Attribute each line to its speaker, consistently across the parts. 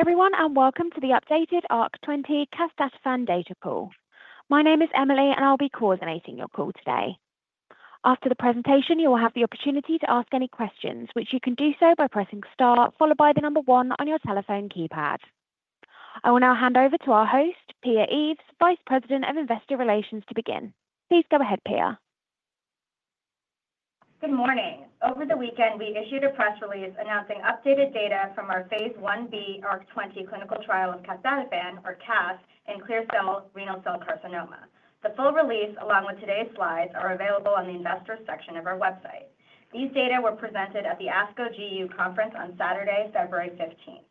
Speaker 1: Hello everyone and welcome to the Updated ARC-20 Casdatifan Data Call. My name is Emily and I'll be coordinating your call today. After the presentation, you will have the opportunity to ask any questions, which you can do so by pressing star followed by the number one on your telephone keypad. I will now hand over to our host, Pia Eaves, Vice President of Investor Relations, to begin. Please go ahead, Pia.
Speaker 2: Good morning. Over the weekend, we issued a press release announcing updated data from our Phase 1b ARC-20 clinical trial of casdatifan, or Cas, in clear cell renal cell carcinoma. The full release, along with today's slides, are available on the Investor section of our website. These data were presented at the ASCO GU Conference on Saturday, February 15th.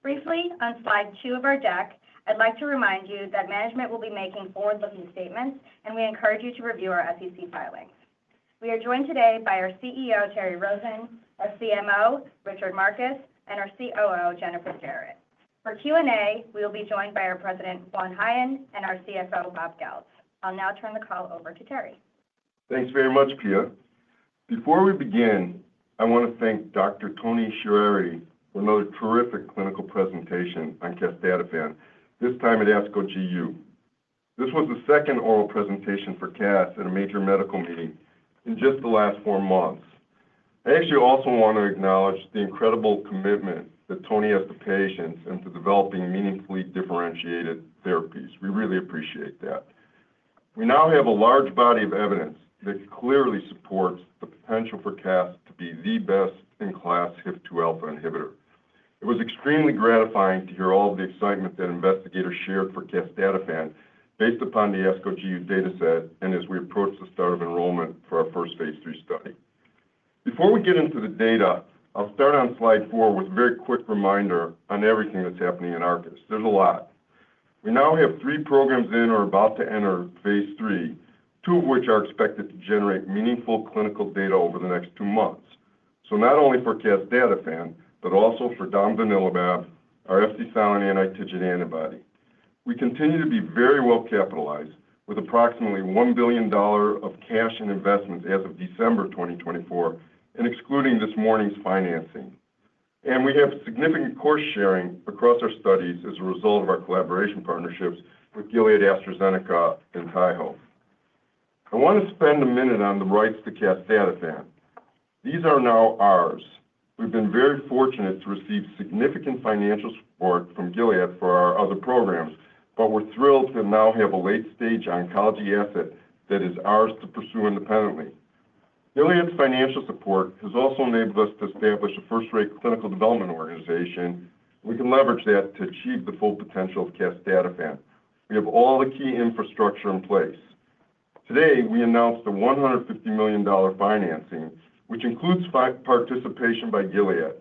Speaker 2: Briefly, on slide two of our deck, I'd like to remind you that management will be making forward-looking statements, and we encourage you to review our SEC filings. We are joined today by our CEO, Terry Rosen, our CMO, Richard Markus, and our COO, Jennifer Jarrett. For Q&A, we will be joined by our President, Juan Jaen, and our CFO, Bob Goeltz. I'll now turn the call over to Terry.
Speaker 3: Thanks very much, Pia. Before we begin, I want to thank Dr. Toni Choueiri for another terrific clinical presentation on casdatifan, this time at ASCO GU. This was the second oral presentation for Cas at a major medical meeting in just the last four months. I actually also want to acknowledge the incredible commitment that Toni has to patients and to developing meaningfully differentiated therapies. We really appreciate that. We now have a large body of evidence that clearly supports the potential for Cas to be the best in class HIF-2α inhibitor. It was extremely gratifying to hear all of the excitement that investigators shared for casdatifan based upon the ASCO GU data set and as we approach the start of enrollment for our first Phase III study. Before we get into the data, I'll start on slide four with a very quick reminder on everything that's happening in Arcus. There's a lot. We now have three programs in or about to enter Phase III, two of which are expected to generate meaningful clinical data over the next two months, so not only for casdatifan, but also for domvanalimab, our Fc-silent anti-TIGIT antibody. We continue to be very well capitalized with approximately $1 billion of cash and investments as of December 2024, and excluding this morning's financing, and we have significant cost sharing across our studies as a result of our collaboration partnerships with Gilead, AstraZeneca, and Taiho. I want to spend a minute on the rights to casdatifan. These are now ours. We've been very fortunate to receive significant financial support from Gilead for our other programs, but we're thrilled to now have a late-stage oncology asset that is ours to pursue independently. Gilead's financial support has also enabled us to establish a first-rate clinical development organization. We can leverage that to achieve the full potential of casdatifan. We have all the key infrastructure in place. Today, we announced a $150 million financing, which includes participation by Gilead.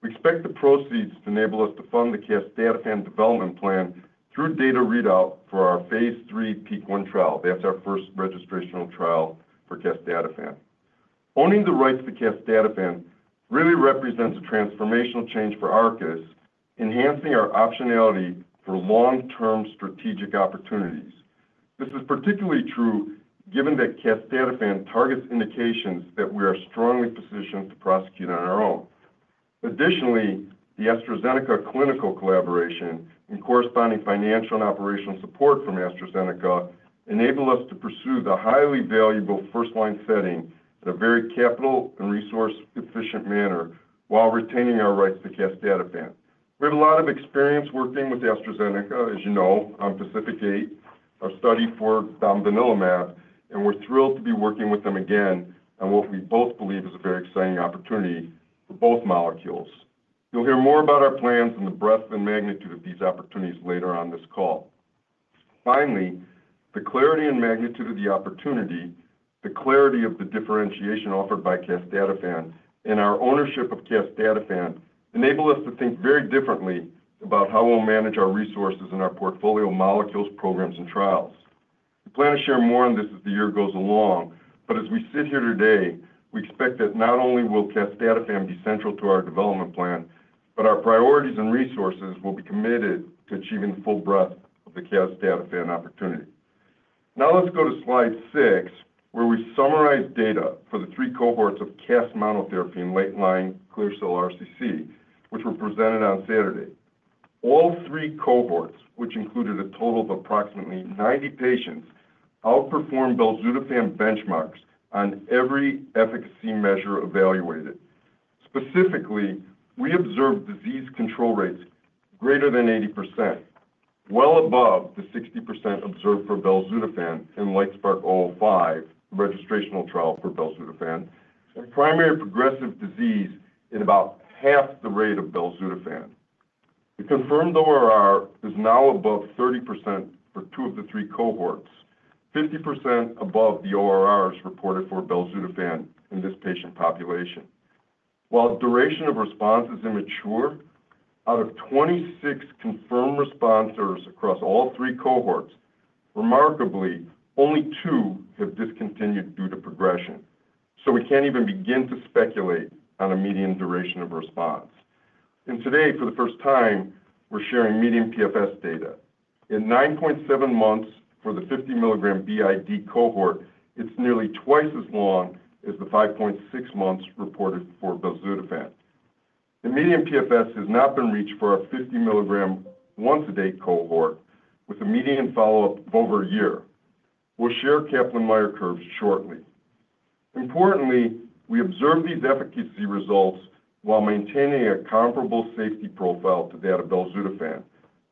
Speaker 3: We expect the proceeds to enable us to fund the casdatifan development plan through data readout for our Phase III PEAK-1 trial. That's our first registration trial for casdatifan. Owning the rights to casdatifan really represents a transformational change for Arcus, enhancing our optionality for long-term strategic opportunities. This is particularly true given that casdatifan targets indications that we are strongly positioned to prosecute on our own. Additionally, the AstraZeneca clinical collaboration and corresponding financial and operational support from AstraZeneca enable us to pursue the highly valuable first-line setting in a very capital and resource-efficient manner while retaining our rights to casdatifan. We have a lot of experience working with AstraZeneca, as you know, on PACIFIC-8, our study for domvanalimab, and we're thrilled to be working with them again on what we both believe is a very exciting opportunity for both molecules. You'll hear more about our plans and the breadth and magnitude of these opportunities later on this call. Finally, the clarity and magnitude of the opportunity, the clarity of the differentiation offered by casdatifan and our ownership of casdatifan enable us to think very differently about how we'll manage our resources in our portfolio of molecules, programs, and trials. We plan to share more on this as the year goes along, but as we sit here today, we expect that not only will casdatifan be central to our development plan, but our priorities and resources will be committed to achieving the full breadth of the casdatifan opportunity. Now let's go to slide six, where we summarize data for the three cohorts of casdatifan monotherapy and late-line clear cell RCC, which were presented on Saturday. All three cohorts, which included a total of approximately 90 patients, outperformed belzutifan benchmarks on every efficacy measure evaluated. Specifically, we observed disease control rates greater than 80%, well above the 60% observed for belzutifan in LITESPARK-005 registrational trial for belzutifan, and primary progressive disease in about half the rate of belzutifan. The confirmed ORR is now above 30% for two of the three cohorts, 50% above the ORRs reported for belzutifan in this patient population. While duration of response is immature, out of 26 confirmed responses across all three cohorts, remarkably, only two have discontinued due to progression. So we can't even begin to speculate on a median duration of response. And today, for the first time, we're sharing median PFS data. In 9.7 months for the 50 mg BID cohort, it's nearly twice as long as the 5.6 months reported for belzutifan. The median PFS has not been reached for our 50 mg once-a-day cohort, with a median follow-up of over a year. We'll share Kaplan-Meier curves shortly. Importantly, we observe these efficacy results while maintaining a comparable safety profile to that of belzutifan,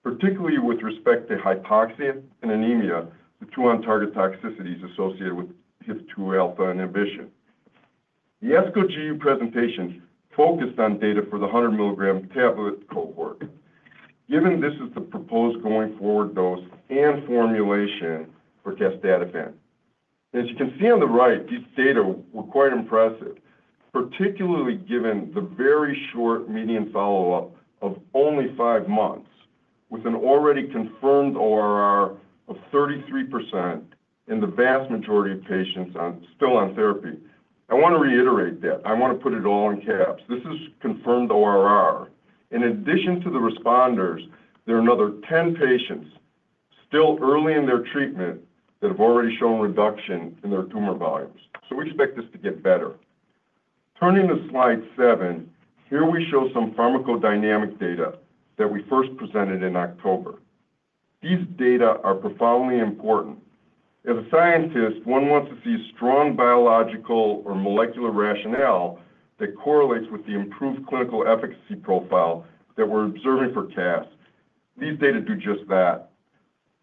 Speaker 3: particularly with respect to hypoxia and anemia, the two on-target toxicities associated with HIF-2α inhibition. The ASCO GU presentation focused on data for the 100 mg tablet cohort, given this is the proposed going forward dose and formulation for casdatifan. As you can see on the right, these data were quite impressive, particularly given the very short median follow-up of only five months, with an already confirmed ORR of 33% in the vast majority of patients still on therapy. I want to reiterate that. I want to put it all in caps. This is confirmed ORR. In addition to the responders, there are another 10 patients still early in their treatment that have already shown reduction in their tumor volumes. So we expect this to get better. Turning to slide seven, here we show some pharmacodynamic data that we first presented in October. These data are profoundly important. As a scientist, one wants to see strong biological or molecular rationale that correlates with the improved clinical efficacy profile that we're observing for Cas. These data do just that.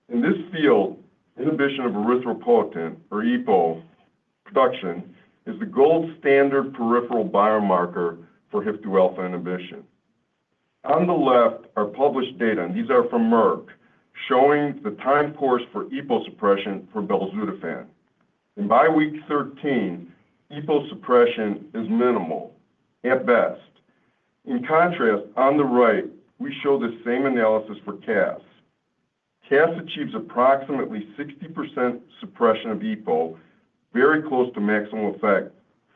Speaker 3: In this field, inhibition of erythropoietin, or EPO, production is the gold standard peripheral biomarker for HIF-2α inhibition. On the left are published data, and these are from Merck, showing the time course for EPO suppression for belzutifan, and by week 13, EPO suppression is minimal at best. In contrast, on the right, we show the same analysis for Cas. Cas achieves approximately 60% suppression of EPO, very close to maximum effect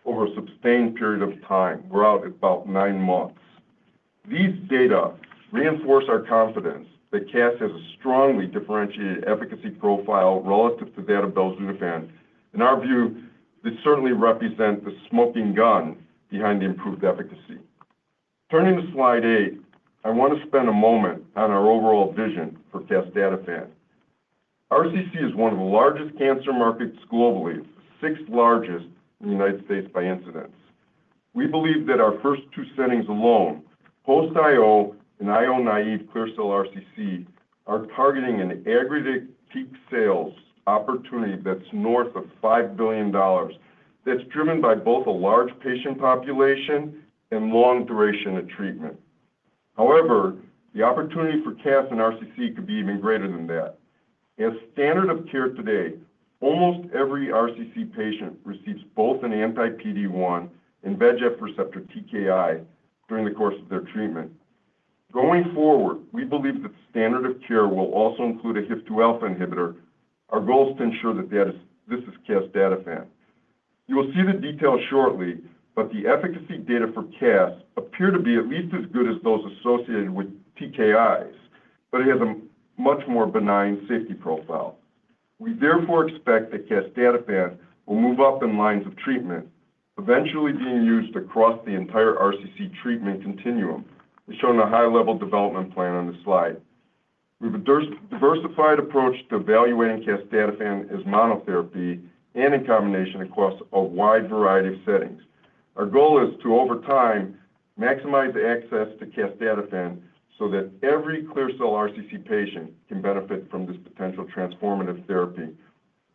Speaker 3: over a sustained period of time, we're out at about nine months. These data reinforce our confidence that Cas has a strongly differentiated efficacy profile relative to that of belzutifan. In our view, this certainly represents the smoking gun behind the improved efficacy. Turning to slide eight, I want to spend a moment on our overall vision for casdatifan. RCC is one of the largest cancer markets globally, the sixth largest in the United States by incidence. We believe that our first two settings alone, post-IO and IO naive clear cell RCC, are targeting an aggregate peak sales opportunity that's north of $5 billion, that's driven by both a large patient population and long duration of treatment. However, the opportunity for casdatifan in RCC could be even greater than that. As standard of care today, almost every RCC patient receives both an anti-PD-1 and VEGF receptor TKI during the course of their treatment. Going forward, we believe that standard of care will also include a HIF-2α inhibitor. Our goal is to ensure that this is casdatifan. You will see the details shortly, but the efficacy data for Cas appear to be at least as good as those associated with TKIs, but it has a much more benign safety profile. We therefore expect that casdatifan will move up in lines of treatment, eventually being used across the entire RCC treatment continuum. We show a high-level development plan on this slide. We have a diversified approach to evaluating casdatifan as monotherapy and in combination across a wide variety of settings. Our goal is to, over time, maximize access to casdatifan so that every clear cell RCC patient can benefit from this potential transformative therapy.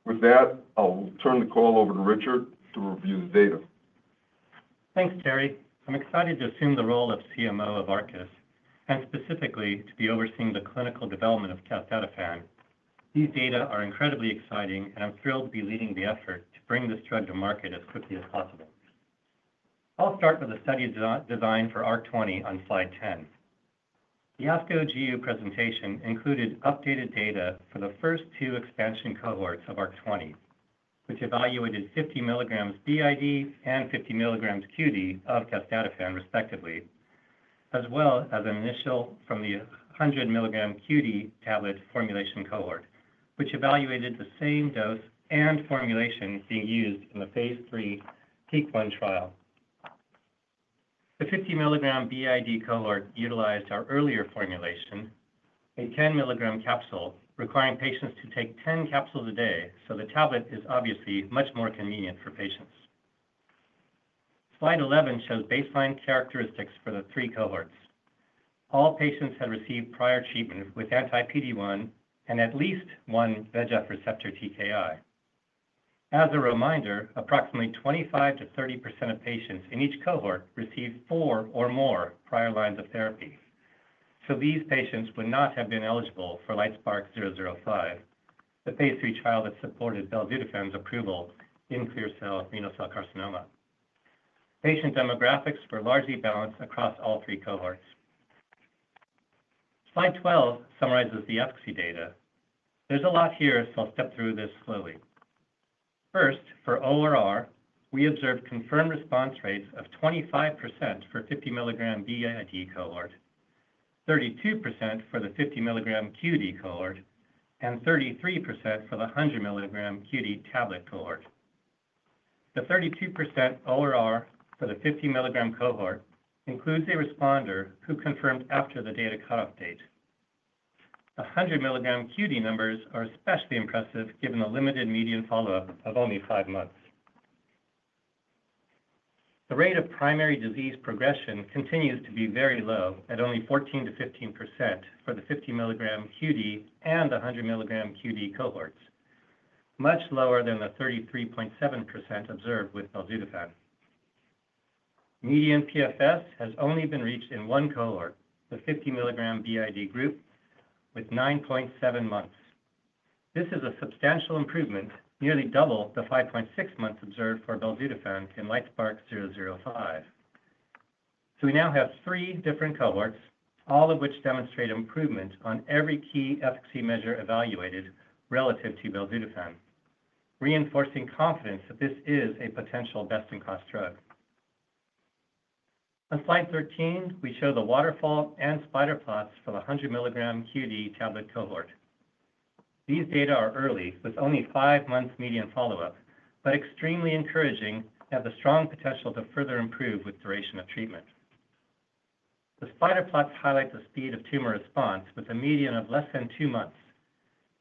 Speaker 3: With that, I'll turn the call over to Richard to review the data.
Speaker 4: Thanks, Terry. I'm excited to assume the role of CMO of Arcus, and specifically to be overseeing the clinical development of casdatifan. These data are incredibly exciting, and I'm thrilled to be leading the effort to bring this drug to market as quickly as possible. I'll start with the study design for ARC-20 on slide 10. The ASCO GU presentation included updated data for the first two expansion cohorts of ARC-20, which evaluated 50 mg BID and 50 mg QD of casdatifan, respectively, as well as an initial from the 100 mg QD tablet formulation cohort, which evaluated the same dose and formulation being used in the Phase III PEAK-1 trial. The 50 mg BID cohort utilized our earlier formulation, a 10 mg capsule, requiring patients to take 10 capsules a day. So the tablet is obviously much more convenient for patients. Slide 11 shows baseline characteristics for the three cohorts. All patients had received prior treatment with anti-PD-1 and at least one VEGF receptor TKI. As a reminder, approximately 25%-30% of patients in each cohort received four or more prior lines of therapy. So these patients would not have been eligible for LITESPARK-005, the Phase III trial that supported belzutifan's approval in clear cell renal cell carcinoma. Patient demographics were largely balanced across all three cohorts. Slide 12 summarizes the efficacy data. There's a lot here, so I'll step through this slowly. First, for ORR, we observed confirmed response rates of 25% for 50 mg BID cohort, 32% for the 50 mg QD cohort, and 33% for the 100 mg QD tablet cohort. The 32% ORR for the 50 mg cohort includes a responder who confirmed after the data cutoff date. The 100 mg QD numbers are especially impressive given the limited median follow-up of only five months. The rate of primary disease progression continues to be very low at only 14% to 15% for the 50 mg QD and 100 mg QD cohorts, much lower than the 33.7% observed with belzutifan. Median PFS has only been reached in one cohort, the 50 mg BID group, with 9.7 months. This is a substantial improvement, nearly double the 5.6 months observed for belzutifan in LITESPARK-005. So we now have three different cohorts, all of which demonstrate improvement on every key efficacy measure evaluated relative to belzutifan, reinforcing confidence that this is a potential best-in-class drug. On slide 13, we show the waterfall and spider plots for the 100 mg QD tablet cohort. These data are early, with only five months median follow-up, but extremely encouraging and have the strong potential to further improve with duration of treatment. The spider plots highlight the speed of tumor response with a median of less than two months,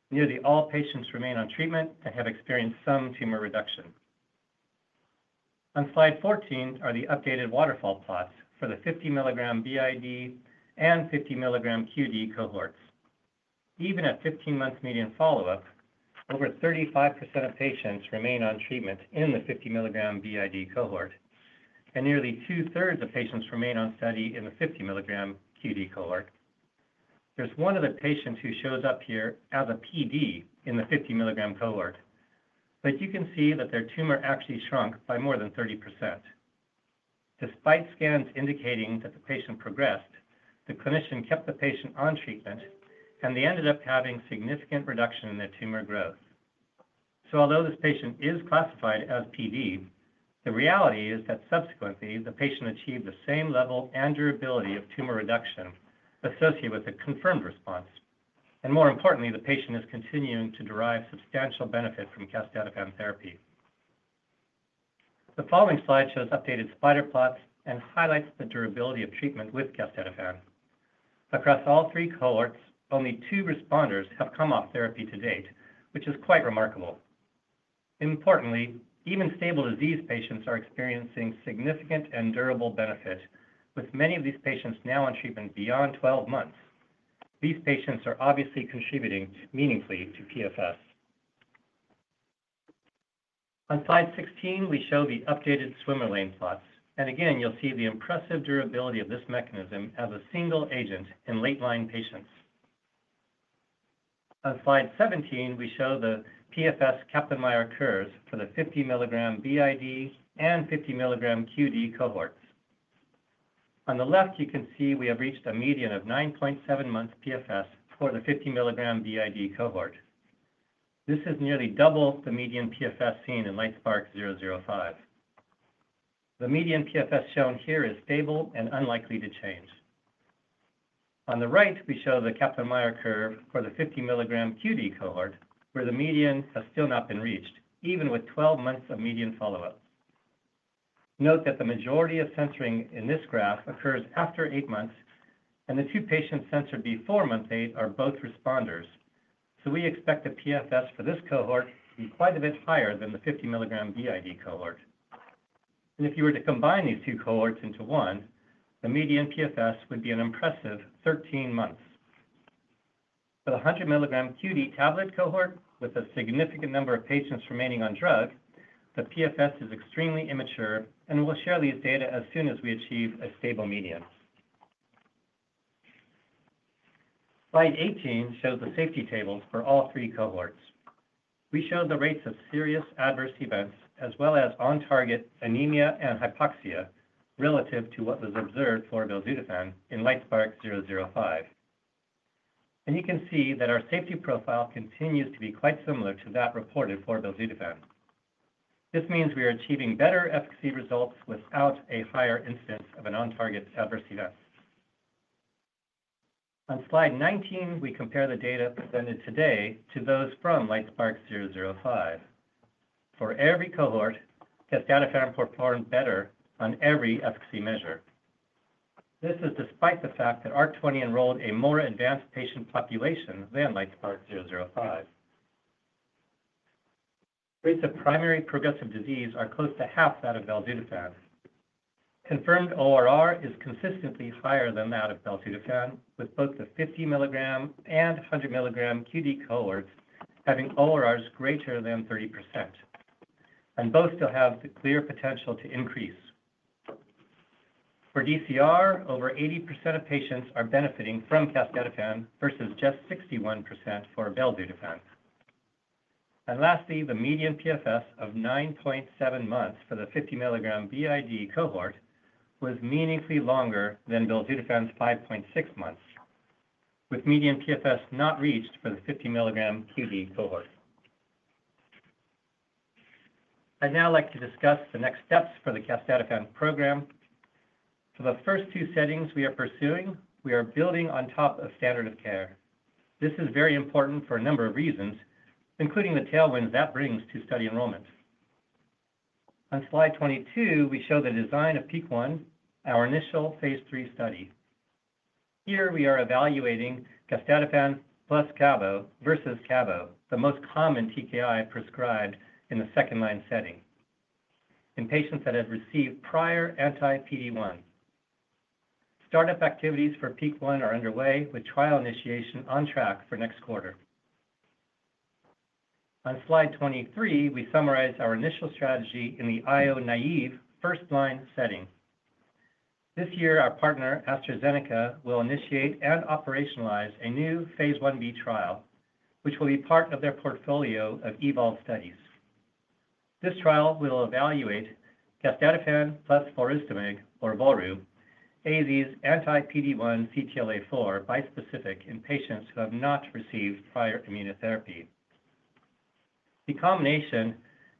Speaker 4: nearly all patients remain on treatment and have experienced some tumor reduction. On slide 14 are the updated waterfall plots for the 50 mg BID and 50 mg QD cohorts. Even at 15 months median follow-up, over 35% of patients remain on treatment in the 50 mg BID cohort, and nearly two-thirds of patients remain on study in the 50 mg QD cohort. There's one other patient who shows up here as a PD in the 50 mg cohort, but you can see that their tumor actually shrunk by more than 30%. Despite scans indicating that the patient progressed, the clinician kept the patient on treatment, and they ended up having significant reduction in their tumor growth, so although this patient is classified as PD, the reality is that subsequently, the patient achieved the same level and durability of tumor reduction associated with a confirmed response, and more importantly, the patient is continuing to derive substantial benefit from casdatifan therapy. The following slide shows updated spider plots and highlights the durability of treatment with casdatifan. Across all three cohorts, only two responders have come off therapy to date, which is quite remarkable. Importantly, even stable disease patients are experiencing significant and durable benefit, with many of these patients now on treatment beyond 12 months. These patients are obviously contributing meaningfully to PFS. On slide 16, we show the updated swimmer lane plots. Again, you'll see the impressive durability of this mechanism as a single agent in late-line patients. On slide 17, we show the PFS Kaplan-Meier curves for the 50 mg BID and 50 mg QD cohorts. On the left, you can see we have reached a median of 9.7 months PFS for the 50 mg BID cohort. This is nearly double the median PFS seen in LITESPARK-005. The median PFS shown here is stable and unlikely to change. On the right, we show the Kaplan-Meier curve for the 50 mg QD cohort, where the median has still not been reached, even with 12 months of median follow-up. Note that the majority of censoring in this graph occurs after eight months, and the two patients censored before month eight are both responders. We expect the PFS for this cohort to be quite a bit higher than the 50 mg BID cohort. If you were to combine these two cohorts into one, the median PFS would be an impressive 13 months. For the 100 mg QD tablet cohort, with a significant number of patients remaining on drug, the PFS is extremely immature, and we'll share these data as soon as we achieve a stable median. Slide 18 shows the safety tables for all three cohorts. We showed the rates of serious adverse events, as well as on-target anemia and hypoxia, relative to what was observed for belzutifan in LITESPARK-005. You can see that our safety profile continues to be quite similar to that reported for belzutifan. This means we are achieving better efficacy results without a higher incidence of an on-target adverse event. On slide 19, we compare the data presented today to those from LITESPARK-005. For every cohort, casdatifan performed better on every efficacy measure. This is despite the fact that ARC-20 enrolled a more advanced patient population than LITESPARK-005. Rates of primary progressive disease are close to half that of belzutifan. Confirmed ORR is consistently higher than that of belzutifan, with both the 50 mg and 100 mg QD cohorts having ORRs greater than 30%. And both still have the clear potential to increase. For DCR, over 80% of patients are benefiting from casdatifan versus just 61% for belzutifan. And lastly, the median PFS of 9.7 months for the 50 mg BID cohort was meaningfully longer than belzutifan's 5.6 months, with median PFS not reached for the 50 mg QD cohort. I'd now like to discuss the next steps for the casdatifan program. For the first two settings we are pursuing, we are building on top of standard of care. This is very important for a number of reasons, including the tailwinds that brings to study enrollment. On slide 22, we show the design of PEAK-1, our initial Phase III study. Here we are evaluating casdatifan plus Cabo, versus Cabo, the most common TKI prescribed in the second-line setting, in patients that had received prior anti-PD-1. Startup activities for PEAK-1 are underway, with trial initiation on track for next quarter. On slide 23, we summarize our initial strategy in the IO naive first-line setting. This year, our partner, AstraZeneca, will initiate and operationalize a new Phase 1b trial, which will be part of their portfolio of EVOLVE studies. This trial will evaluate casdatifan plus volrustomig, or Volru, AZ's anti-PD-1 / CTLA-4 bispecific in patients who have not received prior immunotherapy. The combination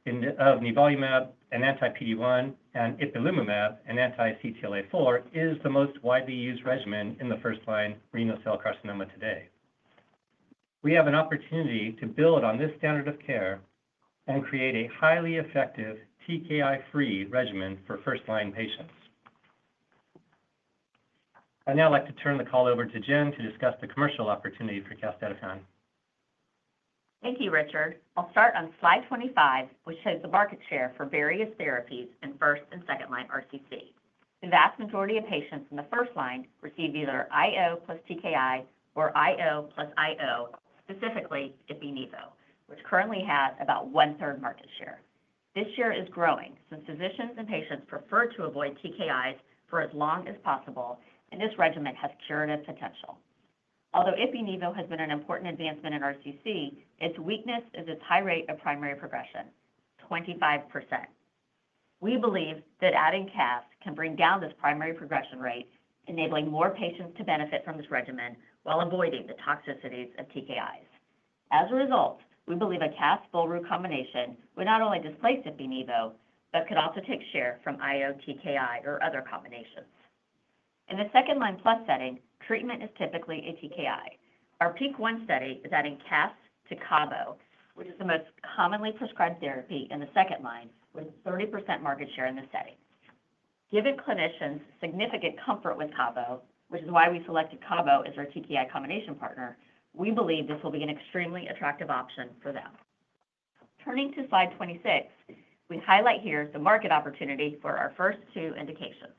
Speaker 4: of nivolumab and anti-PD-1 and ipilimumab and anti-CTLA-4 is the most widely used regimen in the first-line renal cell carcinoma today. We have an opportunity to build on this standard of care and create a highly effective TKI-free regimen for first-line patients. I'd now like to turn the call over to Jen to discuss the commercial opportunity for casdatifan.
Speaker 5: Thank you, Richard. I'll start on slide 25, which shows the market share for various therapies in first and second-line RCC. The vast majority of patients in the first line receive either IO plus TKI or IO plus IO, specifically ipilimumab, which currently has about one-third market share. This share is growing since physicians and patients prefer to avoid TKIs for as long as possible, and this regimen has curative potential. Although ipilimumab has been an important advancement in RCC, its weakness is its high rate of primary progression, 25%. We believe that adding Cas can bring down this primary progression rate, enabling more patients to benefit from this regimen while avoiding the toxicities of TKIs. As a result, we believe a Cas-volrustomig combination would not only displace ipilimumab, but could also take share from IO TKI or other combinations. In the second-line plus setting, treatment is typically a TKI. Our PEAK-1 study is adding casdatifan to cabozantinib, which is the most commonly prescribed therapy in the second line, with 30% market share in this setting. Given clinicians' significant comfort with cabozantinib, which is why we selected cabozantinib as our TKI combination partner, we believe this will be an extremely attractive option for them. Turning to slide 26, we highlight here the market opportunity for our first two indications.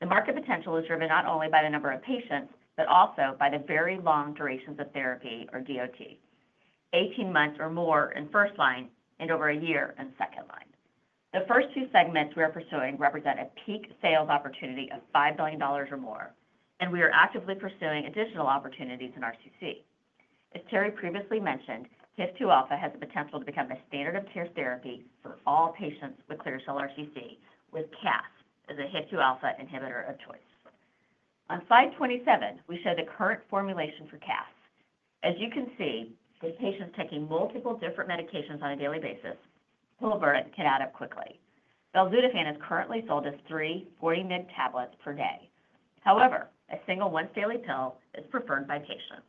Speaker 5: The market potential is driven not only by the number of patients, but also by the very long durations of therapy, or DOT, 18 months or more in first line and over a year in second line. The first two segments we are pursuing represent a peak sales opportunity of $5 billion or more, and we are actively pursuing additional opportunities in RCC. As Terry previously mentioned, HIF-2α has the potential to become a standard of care therapy for all patients with clear cell RCC, with casdatifan as a HIF-2α inhibitor of choice. On slide 27, we show the current formulation for casdatifan. As you can see, this patient is taking multiple different medications on a daily basis. Pill burden can add up quickly. Belzutifan is currently sold as three 40 mg tablets per day. However, a single once-daily pill is preferred by patients.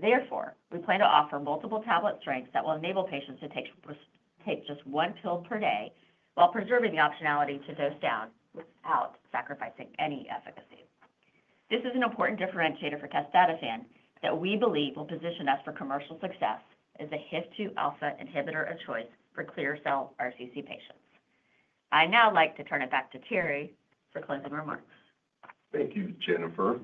Speaker 5: Therefore, we plan to offer multiple tablet strengths that will enable patients to take just one pill per day while preserving the optionality to dose down without sacrificing any efficacy. This is an important differentiator for casdatifan that we believe will position us for commercial success as a HIF-2α inhibitor of choice for clear cell RCC patients. I'd now like to turn it back to Terry for closing remarks.
Speaker 3: Thank you, Jennifer.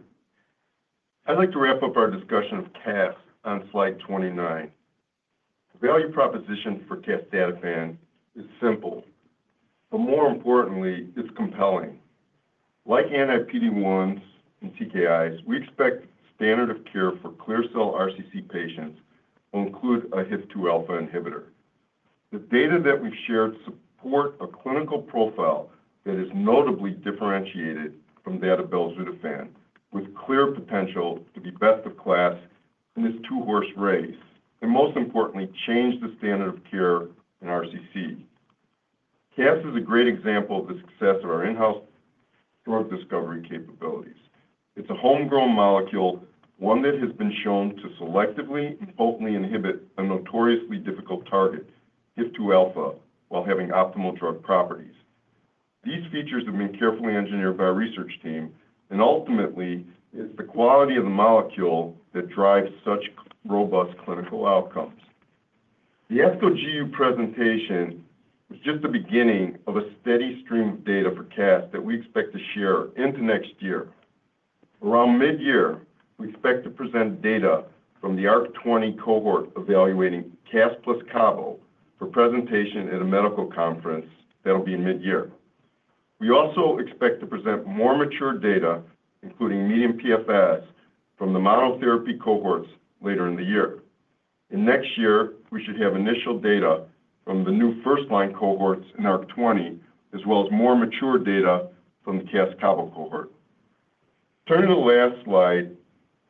Speaker 3: I'd like to wrap up our discussion of Cas on slide 29. The value proposition for casdatifan is simple, but more importantly, it's compelling. Like anti-PD-1s and TKIs, we expect standard of care for clear cell RCC patients will include a HIF-2α inhibitor. The data that we've shared support a clinical profile that is notably differentiated from that of belzutifan, with clear potential to be best of class in this two-horse race, and most importantly, change the standard of care in RCC. Cas is a great example of the success of our in-house drug discovery capabilities. It's a homegrown molecule, one that has been shown to selectively and potently inhibit a notoriously difficult target, HIF-2α, while having optimal drug properties. These features have been carefully engineered by our research team, and ultimately, it's the quality of the molecule that drives such robust clinical outcomes. The ASCO GU presentation was just the beginning of a steady stream of data for Cas that we expect to share into next year. Around mid-year, we expect to present data from the ARC-20 cohort evaluating Cas plus Cabo for presentation at a medical conference that'll be in mid-year. We also expect to present more mature data, including median PFS, from the monotherapy cohorts later in the year. In next year, we should have initial data from the new first-line cohorts in ARC-20, as well as more mature data from the Cas-Cabo cohort. Turning to the last slide,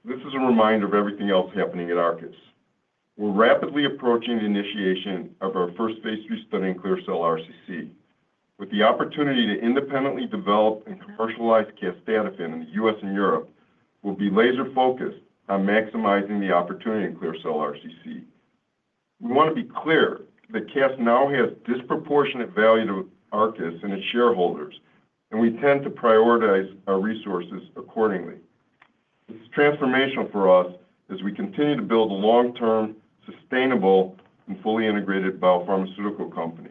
Speaker 3: this is a reminder of everything else happening at Arcus. We're rapidly approaching the initiation of our first Phase III study in clear cell RCC. With the opportunity to independently develop and commercialize casdatifan in the U.S. and Europe, we'll be laser-focused on maximizing the opportunity in clear cell RCC. We want to be clear that casdatifan now has disproportionate value to Arcus and its shareholders, and we tend to prioritize our resources accordingly. This is transformational for us as we continue to build a long-term, sustainable, and fully integrated biopharmaceutical company.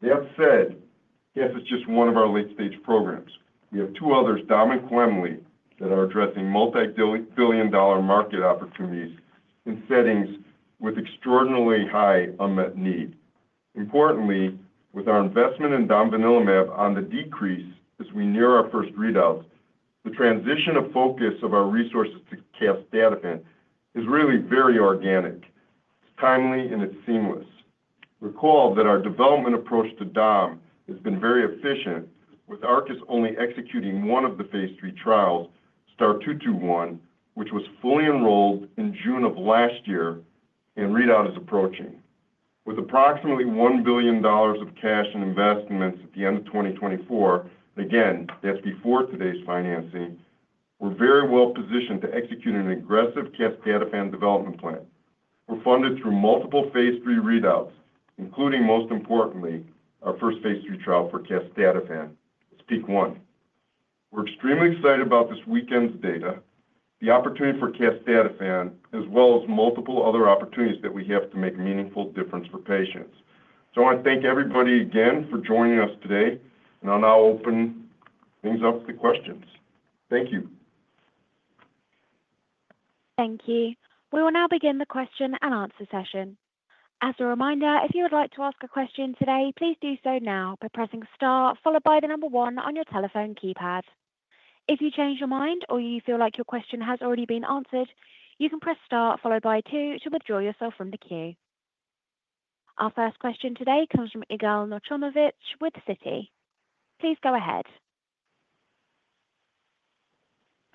Speaker 3: That said, casdatifan is just one of our late-stage programs. We have two others, domvanalimab and quemliclustat, that are addressing multi-billion-dollar market opportunities in settings with extraordinarily high unmet need. Importantly, with our investment in domvanalimab on the decrease as we near our first readouts, the transition of focus of our resources to casdatifan is really very organic. It's timely, and it's seamless. Recall that our development approach to domvanalimab has been very efficient, with Arcus only executing one of the Phase III trials, STAR-221, which was fully enrolled in June of last year, and readout is approaching. With approximately $1 billion of cash and investments at the end of 2024, and again, that's before today's financing, we're very well positioned to execute an aggressive casdatifan development plan. We're funded through multiple Phase III readouts, including, most importantly, our first Phase III trial for casdatifan. It's PEAK-1. We're extremely excited about this weekend's data, the opportunity for casdatifan, as well as multiple other opportunities that we have to make a meaningful difference for patients. So I want to thank everybody again for joining us today, and I'll now open things up to questions. Thank you.
Speaker 1: Thank you. We will now begin the question and answer session. As a reminder, if you would like to ask a question today, please do so now by pressing star, followed by the number one on your telephone keypad. If you change your mind or you feel like your question has already been answered, you can press star, followed by two, to withdraw yourself from the queue. Our first question today comes from Yigal Nochomovitz with Citi. Please go ahead.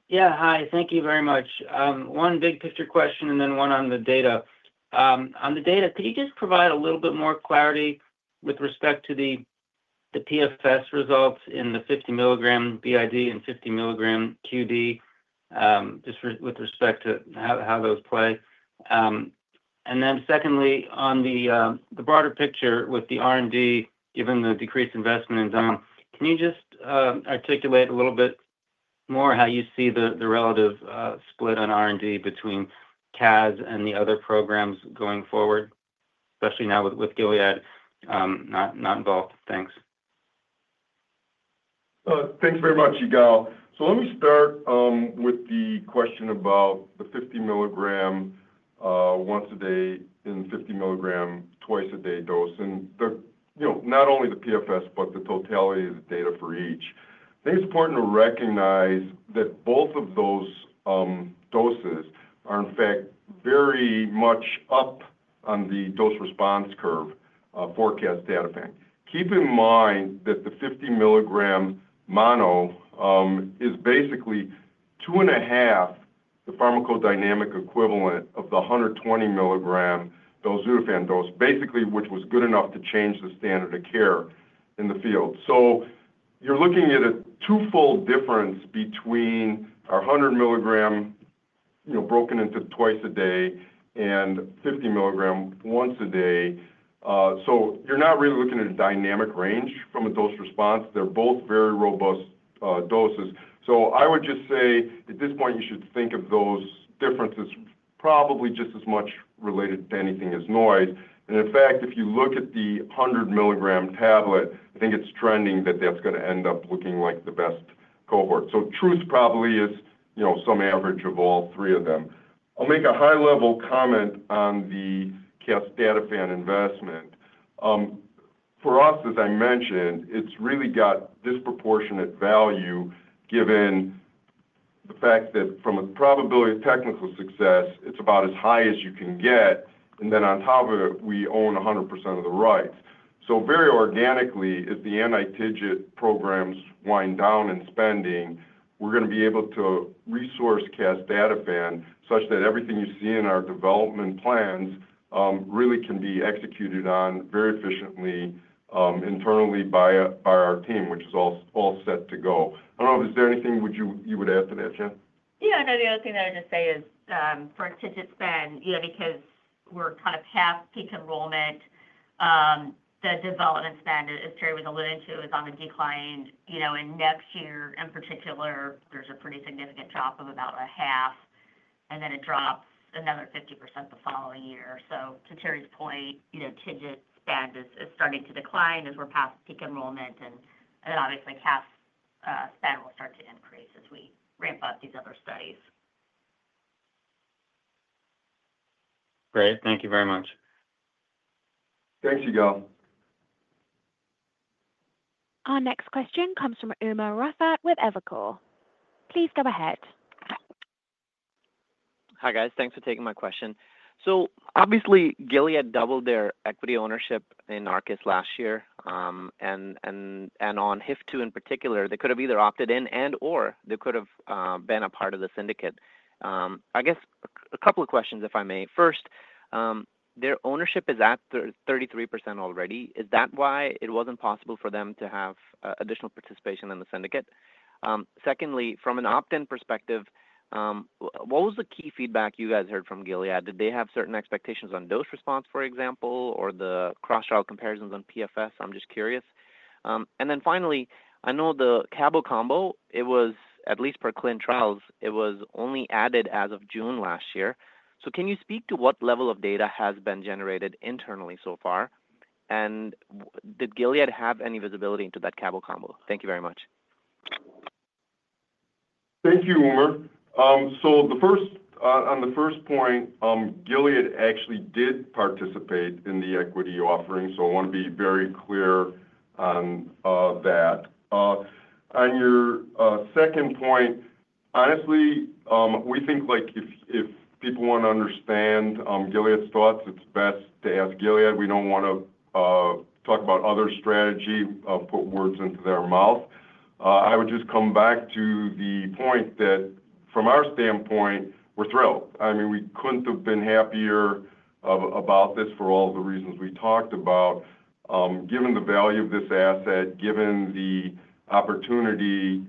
Speaker 6: Yeah, hi. Thank you very much. One big picture question and then one on the data. On the data, could you just provide a little bit more clarity with respect to the PFS results in the 50 mg BID and 50 mg QD, just with respect to how those play? And then secondly, on the broader picture with the R&D, given the decreased investment in Dom, can you just articulate a little bit more how you see the relative split on R&D between Cas and the other programs going forward, especially now with Gilead not involved? Thanks.
Speaker 3: Thanks very much, Yigal. So let me start with the question about the 50 mg once-a-day and 50 mg twice-a-day dose, and not only the PFS, but the totality of the data for each. I think it's important to recognize that both of those doses are, in fact, very much up on the dose response curve for casdatifan. Keep in mind that the 50 mg mono is basically two and a half the pharmacodynamic equivalent of the 120 mg belzutifan dose, basically, which was good enough to change the standard of care in the field. So you're looking at a twofold difference between our 100 mg broken into twice a day and 50 mg once a day. So you're not really looking at a dynamic range from a dose response. They're both very robust doses. So I would just say, at this point, you should think of those differences probably just as much related to anything as noise. And in fact, if you look at the 100 mg tablet, I think it's trending that that's going to end up looking like the best cohort. So truth probably is some average of all three of them. I'll make a high-level comment on the casdatifan investment. For us, as I mentioned, it's really got disproportionate value given the fact that from a probability of technical success, it's about as high as you can get, and then on top of it, we own 100% of the rights. So very organically, as the anti-TIGIT programs wind down in spending, we're going to be able to resource casdatifan such that everything you see in our development plans really can be executed on very efficiently internally by our team, which is all set to go. I don't know if there's anything you would add to that, Jen?
Speaker 5: Yeah, I know the other thing that I'd just say is for TIGIT spend, because we're kind of half-peak enrollment, the development spend, as Terry was alluding to, is on the decline. In next year, in particular, there's a pretty significant drop of about a half, and then it drops another 50% the following year. So to Terry's point, TIGIT spend is starting to decline as we're past peak enrollment, and then obviously Cas spend will start to increase as we ramp up these other studies.
Speaker 6: Great. Thank you very much.
Speaker 3: Thanks, Yigal.
Speaker 1: Our next question comes from Umer Raffat with Evercore. Please go ahead.
Speaker 7: Hi guys. Thanks for taking my question. So obviously, Gilead doubled their equity ownership in Arcus last year, and on HIF-2 in particular, they could have either opted in and/or they could have been a part of the syndicate. I guess a couple of questions, if I may. First, their ownership is at 33% already. Is that why it wasn't possible for them to have additional participation in the syndicate? Secondly, from an opt-in perspective, what was the key feedback you guys heard from Gilead? Did they have certain expectations on dose response, for example, or the cross-trial comparisons on PFS? I'm just curious. And then finally, I know the Cabo combo, at least per clinical trials, it was only added as of June last year. So can you speak to what level of data has been generated internally so far, and did Gilead have any visibility into that Cabo combo? Thank you very much.
Speaker 3: Thank you, Umer. So on the first point, Gilead actually did participate in the equity offering, so I want to be very clear on that. On your second point, honestly, we think if people want to understand Gilead's thoughts, it's best to ask Gilead. We don't want to talk about other strategy, put words into their mouth. I would just come back to the point that from our standpoint, we're thrilled. I mean, we couldn't have been happier about this for all the reasons we talked about, given the value of this asset, given the opportunity,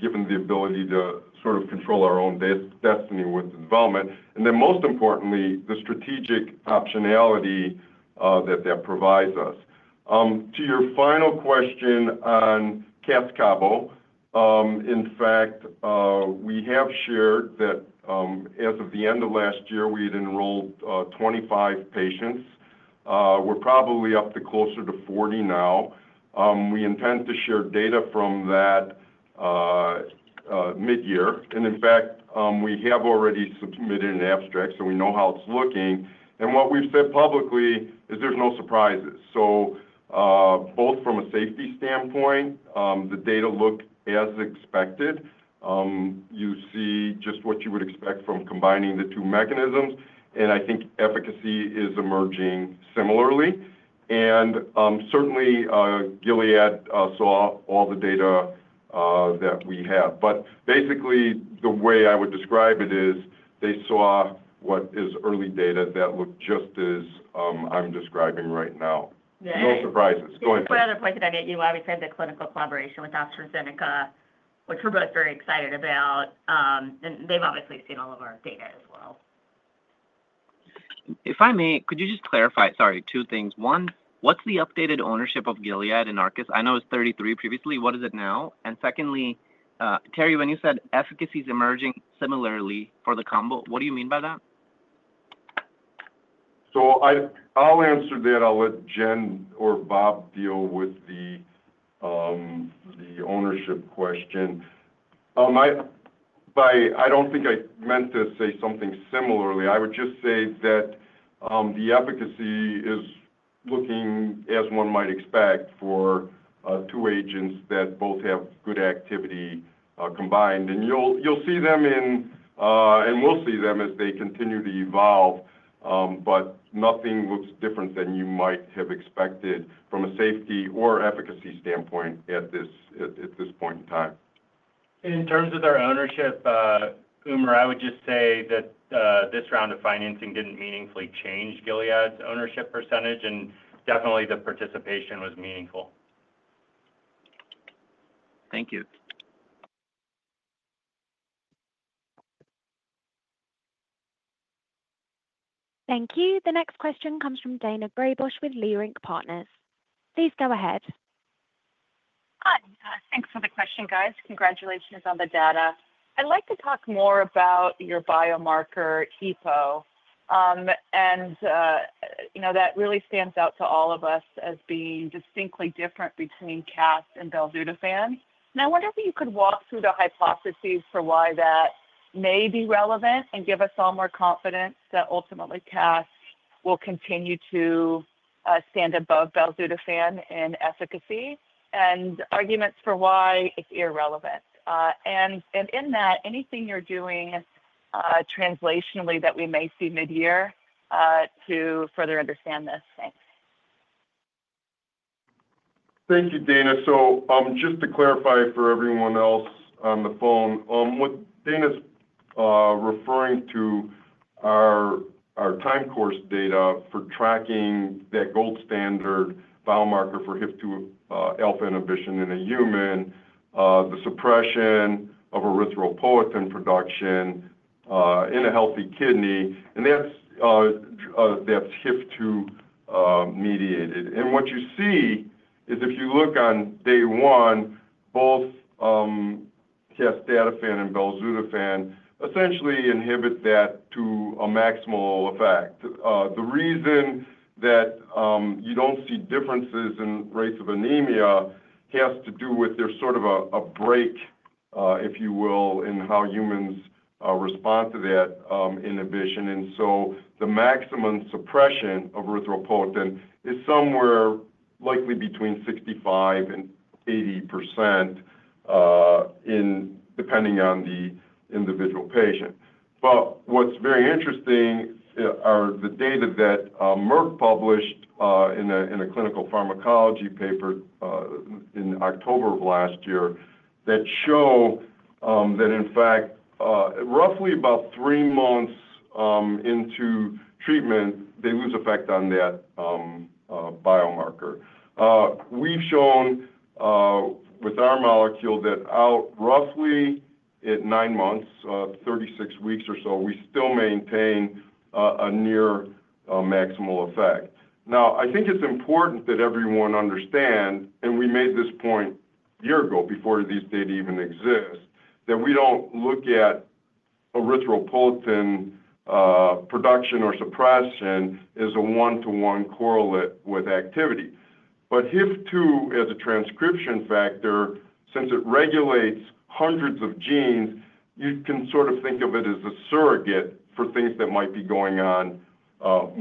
Speaker 3: given the ability to sort of control our own destiny with development, and then most importantly, the strategic optionality that that provides us. To your final question on Cas-Cabo, in fact, we have shared that as of the end of last year, we had enrolled 25 patients. We're probably up to closer to 40 now. We intend to share data from that mid-year, and in fact, we have already submitted an abstract, so we know how it's looking. And what we've said publicly is there's no surprises. So both from a safety standpoint, the data look as expected. You see just what you would expect from combining the two mechanisms, and I think efficacy is emerging similarly. And certainly, Gilead saw all the data that we have. But basically, the way I would describe it is they saw what is early data that looked just as I'm describing right now. No surprises. Go ahead.
Speaker 5: Just another point that I've made to you about the clinical collaboration with AstraZeneca, which we're both very excited about, and they've obviously seen all of our data as well.
Speaker 7: If I may, could you just clarify, sorry, two things. One, what's the updated ownership of Gilead in Arcus? I know it was 33 previously. What is it now? And secondly, Terry, when you said efficacy is emerging similarly for the combo, what do you mean by that?
Speaker 3: I'll answer that. I'll let Jen or Bob deal with the ownership question. I don't think I meant to say something similar. I would just say that the efficacy is looking, as one might expect, for two agents that both have good activity combined. And you'll see them, and we'll see them as they continue to evolve, but nothing looks different than you might have expected from a safety or efficacy standpoint at this point in time.
Speaker 8: In terms of their ownership, Umer, I would just say that this round of financing didn't meaningfully change Gilead's ownership percentage, and definitely the participation was meaningful.
Speaker 7: Thank you.
Speaker 1: Thank you. The next question comes from Daina Graybosch with Leerink Partners. Please go ahead.
Speaker 9: Hi. Thanks for the question, guys. Congratulations on the data. I'd like to talk more about your biomarker EPO, and that really stands out to all of us as being distinctly different between Cas and belzutifan, and I wonder if you could walk through the hypotheses for why that may be relevant and give us all more confidence that ultimately Cas will continue to stand above belzutifan in efficacy and arguments for why it's irrelevant, and in that, anything you're doing translationally that we may see mid-year to further understand this? Thanks.
Speaker 3: Thank you, Daina. So just to clarify for everyone else on the phone, what Daina's referring to are our time course data for tracking that gold standard biomarker for HIF-2α inhibition in a human, the suppression of erythropoietin production in a healthy kidney, and that's HIF-2 mediated. And what you see is if you look on day one, both casdatifan and belzutifan essentially inhibit that to a maximal effect. The reason that you don't see differences in rates of anemia has to do with there's sort of a break, if you will, in how humans respond to that inhibition. And so the maximum suppression of erythropoietin is somewhere likely between 65%-80% depending on the individual patient. But what's very interesting are the data that Merck published in a clinical pharmacology paper in October of last year that show that, in fact, roughly about three months into treatment, they lose effect on that biomarker. We've shown with our molecule that out roughly at nine months, 36 weeks or so, we still maintain a near maximal effect. Now, I think it's important that everyone understand, and we made this point a year ago before these data even exist, that we don't look at erythropoietin production or suppression as a one-to-one correlate with activity. But HIF-2, as a transcription factor, since it regulates hundreds of genes, you can sort of think of it as a surrogate for things that might be going on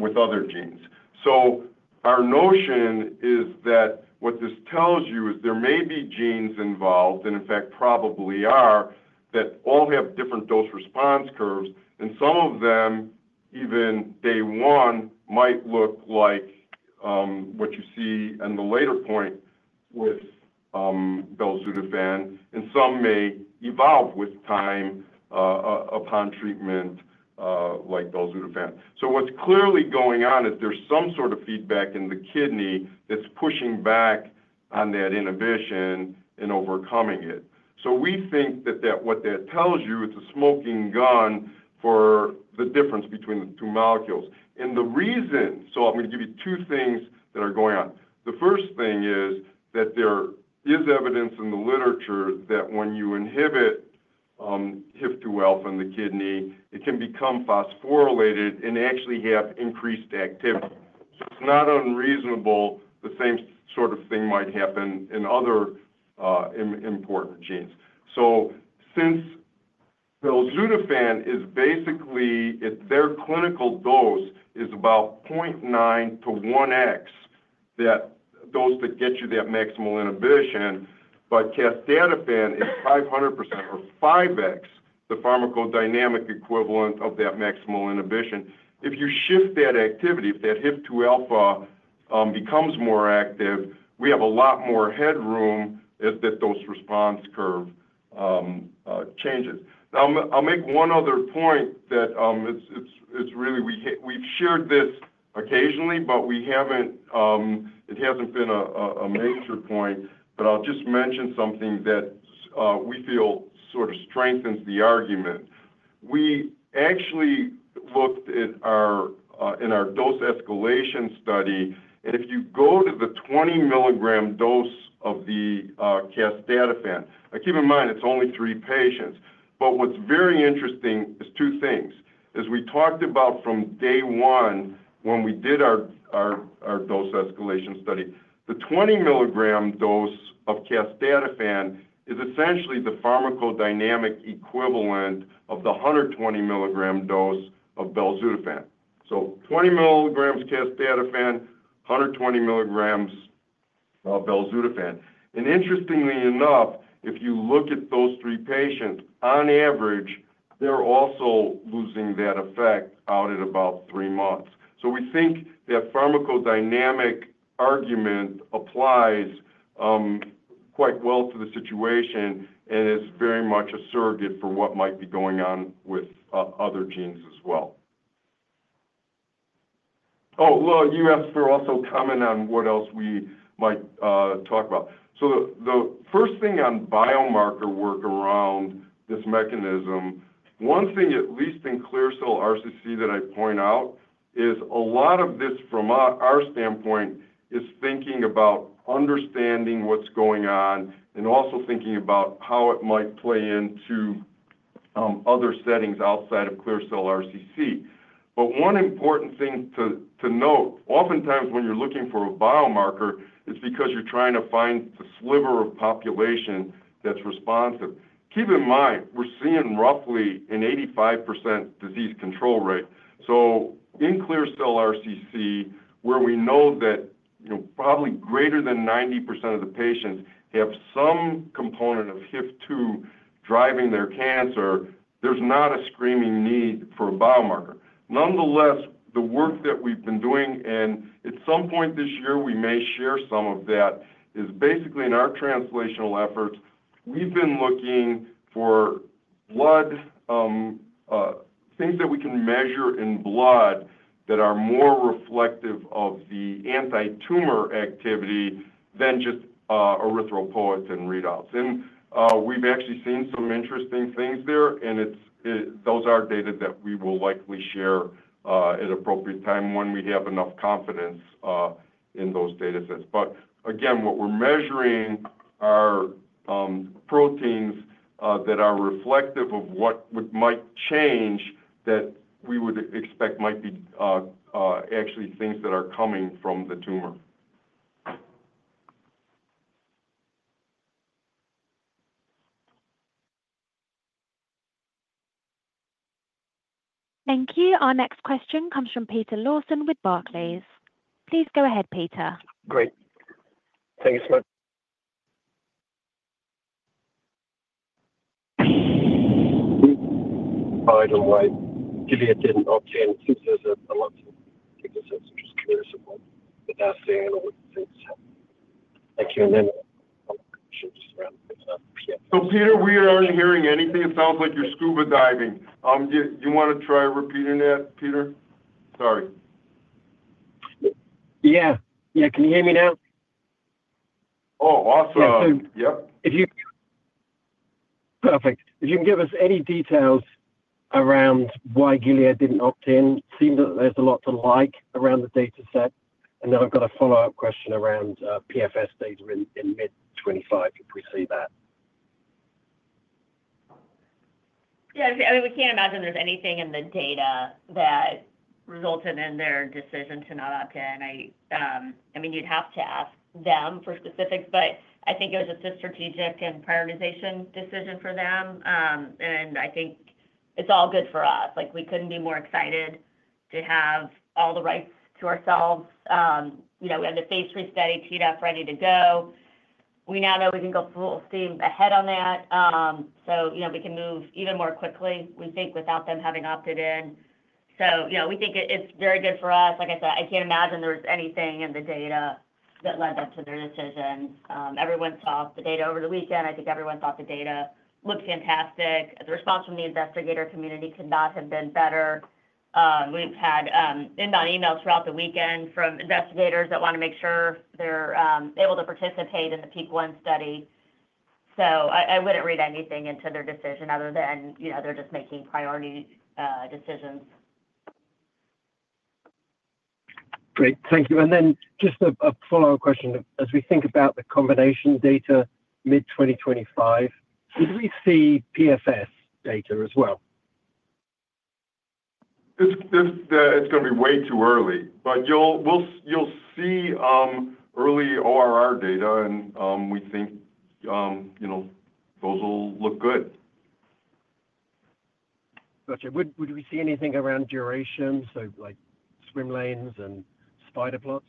Speaker 3: with other genes. So our notion is that what this tells you is there may be genes involved, and in fact, probably are, that all have different dose response curves, and some of them, even day one, might look like what you see in the later point with belzutifan, and some may evolve with time upon treatment like belzutifan. So what's clearly going on is there's some sort of feedback in the kidney that's pushing back on that inhibition and overcoming it. So we think that what that tells you is a smoking gun for the difference between the two molecules. And the reason, so I'm going to give you two things that are going on. The first thing is that there is evidence in the literature that when you inhibit HIF-2α in the kidney, it can become phosphorylated and actually have increased activity. It's not unreasonable the same sort of thing might happen in other important genes. Since belzutifan is basically, their clinical dose is about 0.9-1x that dose that gets you that maximal inhibition, but casdatifan is 500% or 5x, the pharmacodynamic equivalent of that maximal inhibition. If you shift that activity, if that HIF-2α becomes more active, we have a lot more headroom as that dose response curve changes. Now, I'll make one other point that it's really, we've shared this occasionally, but it hasn't been a major point, but I'll just mention something that we feel sort of strengthens the argument. We actually looked in our dose escalation study, and if you go to the 20 mg dose of the casdatifan, keep in mind it's only three patients, but what's very interesting is two things. As we talked about from day one when we did our dose escalation study, the 20 mg dose of casdatifan is essentially the pharmacodynamic equivalent of the 120 mg dose of belzutifan. So 20 mgs casdatifan, 120 mgs belzutifan. And interestingly enough, if you look at those three patients, on average, they're also losing that effect out at about three months. So we think that pharmacodynamic argument applies quite well to the situation and is very much a surrogate for what might be going on with other genes as well. Oh, well, you asked for also comment on what else we might talk about. So the first thing on biomarker work around this mechanism, one thing at least in clear cell RCC that I point out is a lot of this from our standpoint is thinking about understanding what's going on and also thinking about how it might play into other settings outside of clear cell RCC. But one important thing to note, oftentimes when you're looking for a biomarker, it's because you're trying to find the sliver of population that's responsive. Keep in mind, we're seeing roughly an 85% disease control rate. So in clear cell RCC, where we know that probably greater than 90% of the patients have some component of HIF-2 driving their cancer, there's not a screaming need for a biomarker. Nonetheless, the work that we've been doing, and at some point this year we may share some of that, is basically in our translational efforts, we've been looking for things that we can measure in blood that are more reflective of the anti-tumor activity than just erythropoietin readouts, and we've actually seen some interesting things there, and those are data that we will likely share at appropriate time when we have enough confidence in those data sets, but again, what we're measuring are proteins that are reflective of what might change that we would expect might be actually things that are coming from the tumor.
Speaker 1: Thank you. Our next question comes from Peter Lawson with Barclays. Please go ahead, Peter.
Speaker 10: Great. Thank you so much. By the way, Gilead didn't opt in to versus the consensus. I'm just curious of what the data say and what you think has happened. Thank you, and then I'll shift this around.
Speaker 3: So Peter, we aren't hearing anything. It sounds like you're scuba diving. Do you want to try repeating that, Peter? Sorry.
Speaker 10: Yeah. Yeah. Can you hear me now?
Speaker 3: Oh, awesome.
Speaker 8: Yep.
Speaker 10: Perfect. If you can give us any details around why Gilead didn't opt in. Seems that there's a lot to like around the data set. And then I've got a follow-up question around PFS data in mid-2025 if we see that.
Speaker 5: Yeah. I mean, we can't imagine there's anything in the data that resulted in their decision to not opt in. I mean, you'd have to ask them for specifics, but I think it was just a strategic and prioritization decision for them. And I think it's all good for us. We couldn't be more excited to have all the rights to ourselves. We have the Phase III study teed up, ready to go. We now know we can go full steam ahead on that, so we can move even more quickly, we think, without them having opted in. So we think it's very good for us. Like I said, I can't imagine there was anything in the data that led them to their decision. Everyone saw the data over the weekend. I think everyone thought the data looked fantastic. The response from the investigator community could not have been better. We've had inbound emails throughout the weekend from investigators that want to make sure they're able to participate in the PEAK-1 study. So I wouldn't read anything into their decision other than they're just making priority decisions.
Speaker 10: Great. Thank you. And then just a follow-up question. As we think about the combination data mid-2025, will we see PFS data as well?
Speaker 3: It's going to be way too early, but you'll see early ORR data, and we think those will look good.
Speaker 10: Gotcha. Would we see anything around duration, so like swim lanes and spider plots?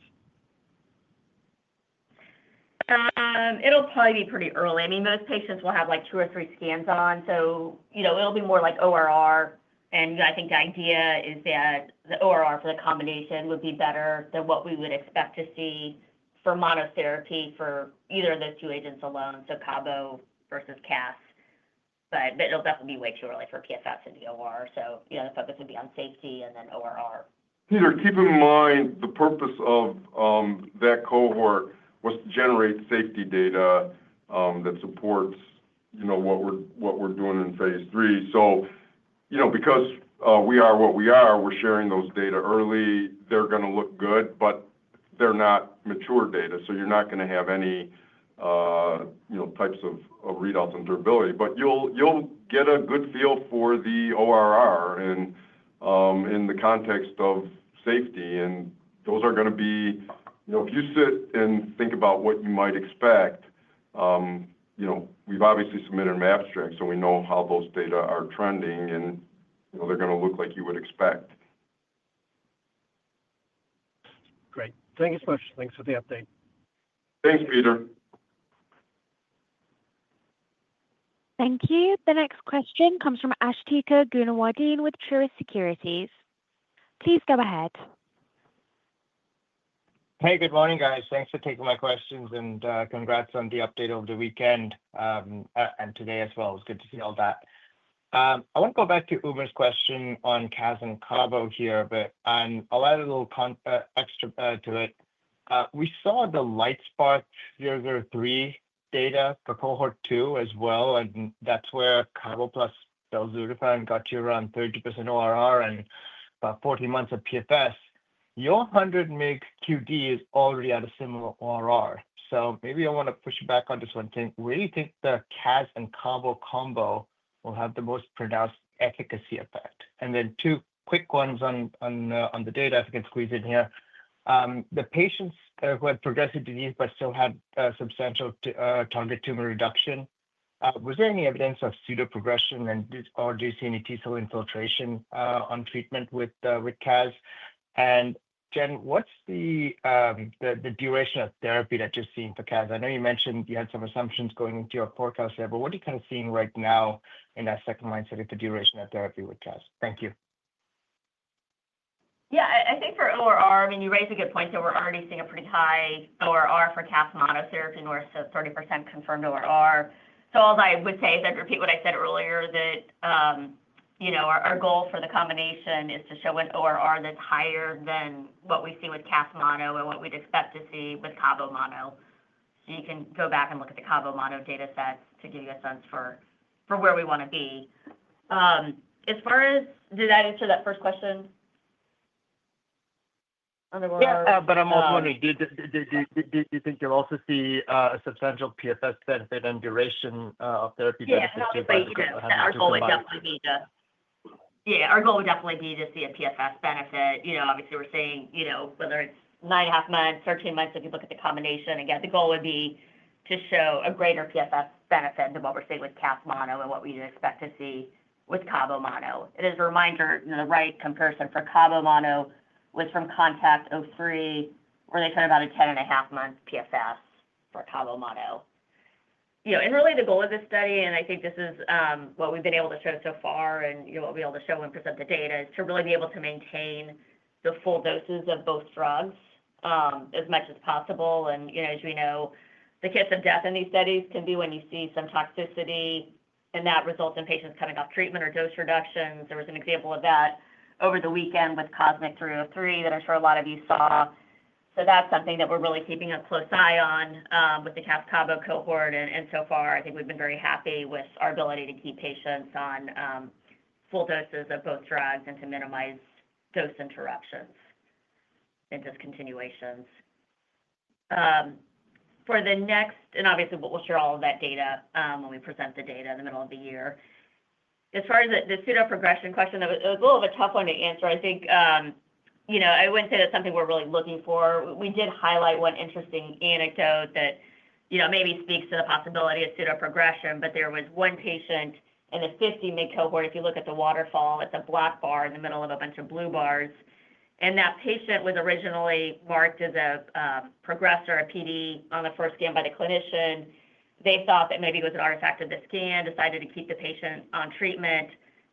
Speaker 5: It'll probably be pretty early. I mean, most patients will have two or three scans on, so it'll be more like ORR. And I think the idea is that the ORR for the combination would be better than what we would expect to see for monotherapy for either of those two agents alone, so Cabo versus Cas. But it'll definitely be way too early for PFS and OS. So the focus would be on safety and then ORR.
Speaker 3: Peter, keep in mind the purpose of that cohort was to generate safety data that supports what we're doing in Phase III, so because we are what we are, we're sharing those data early. They're going to look good, but they're not mature data, so you're not going to have any types of readouts on durability, but you'll get a good feel for the ORR in the context of safety, and those are going to be if you sit and think about what you might expect, we've obviously submitted an abstract, so we know how those data are trending, and they're going to look like you would expect.
Speaker 10: Great. Thank you so much. Thanks for the update.
Speaker 3: Thanks, Peter.
Speaker 1: Thank you. The next question comes from Asthika Goonewardene with Truist Securities. Please go ahead.
Speaker 11: Hey, good morning, guys. Thanks for taking my questions, and congrats on the update over the weekend and today as well. It's good to see all that. I want to go back to Umer's question on Cas and Cabo here, but I'll add a little extra to it. We saw the LITESPARK-003 data for cohort two as well, and that's where Cabo plus belzutifan got you around 30% ORR and about 14 months of PFS. Your 100 mg QD is already at a similar ORR. So maybe I want to push back on this one thing. Where do you think the Cas and Cabo combo will have the most pronounced efficacy effect? And then two quick ones on the data if I can squeeze in here. The patients who had progressive disease but still had substantial target tumor reduction, was there any evidence of pseudoprogression, or do you see any T-cell infiltration on treatment with Cas? Jen, what's the duration of therapy that you're seeing for Cas? I know you mentioned you had some assumptions going into your forecast there, but what are you kind of seeing right now in that second-line setting for the duration of therapy with Cas? Thank you.
Speaker 5: Yeah. I think for ORR, I mean, you raise a good point that we're already seeing a pretty high ORR for Cas monotherapy, and we're still 30% confirmed ORR. So all I would say is I'd repeat what I said earlier, that our goal for the combination is to show an ORR that's higher than what we see with Cas mono and what we'd expect to see with Cabo mono. So you can go back and look at the Cabo mono data sets to give you a sense for where we want to be. As far as did I answer that first question?
Speaker 11: Yeah, but I'm also wondering, do you think you'll also see a substantial PFS benefit and duration of therapy benefit?
Speaker 5: Yeah. I would say our goal would definitely be to see a PFS benefit. Obviously, we're seeing whether it's 9-1/2 months, 13 months, if you look at the combination. Again, the goal would be to show a greater PFS benefit than what we're seeing with casdatifan mono and what we expect to see with cabozantinib mono. And as a reminder, the right comparison for cabozantinib mono was from CONTACT-03, where they showed about a 10.5 month PFS for cabozantinib mono. And really, the goal of this study, and I think this is what we've been able to show so far and what we'll be able to show when we present the data, is to really be able to maintain the full doses of both drugs as much as possible. As we know, the kiss of death in these studies can be when you see some toxicity, and that results in patients coming off treatment or dose reductions. There was an example of that over the weekend with COSMIC-313 that I'm sure a lot of you saw. That's something that we're really keeping a close eye on with the Cas-Cabo cohort. And so far, I think we've been very happy with our ability to keep patients on full doses of both drugs and to minimize dose interruptions and discontinuations. For the next, and obviously, we'll share all of that data when we present the data in the middle of the year. As far as the pseudoprogression question, it was a little bit tough one to answer. I think I wouldn't say that's something we're really looking for. We did highlight one interesting anecdote that maybe speaks to the possibility of pseudoprogression, but there was one patient in a 50 mg cohort. If you look at the waterfall, it's a black bar in the middle of a bunch of blue bars, and that patient was originally marked as a progressor, a PD, on the first scan by the clinician. They thought that maybe it was an artifact of the scan, decided to keep the patient on treatment.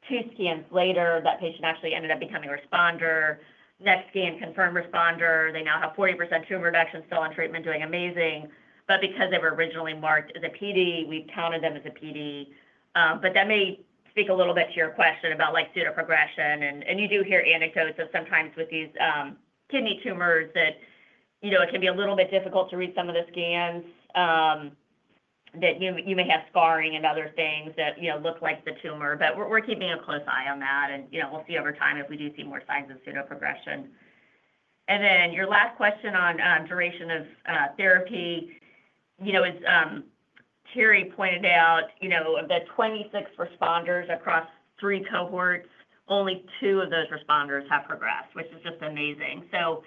Speaker 5: Two scans later, that patient actually ended up becoming a responder. Next scan, confirmed responder. They now have 40% tumor reduction, still on treatment, doing amazing. But because they were originally marked as a PD, we counted them as a PD. But that may speak a little bit to your question about pseudoprogression. You do hear anecdotes of sometimes with these kidney tumors that it can be a little bit difficult to read some of the scans, that you may have scarring and other things that look like the tumor. But we're keeping a close eye on that, and we'll see over time if we do see more signs of pseudoprogression. And then your last question on duration of therapy is, as Terry pointed out, of the 26 responders across three cohorts, only two of those responders have progressed, which is just amazing. So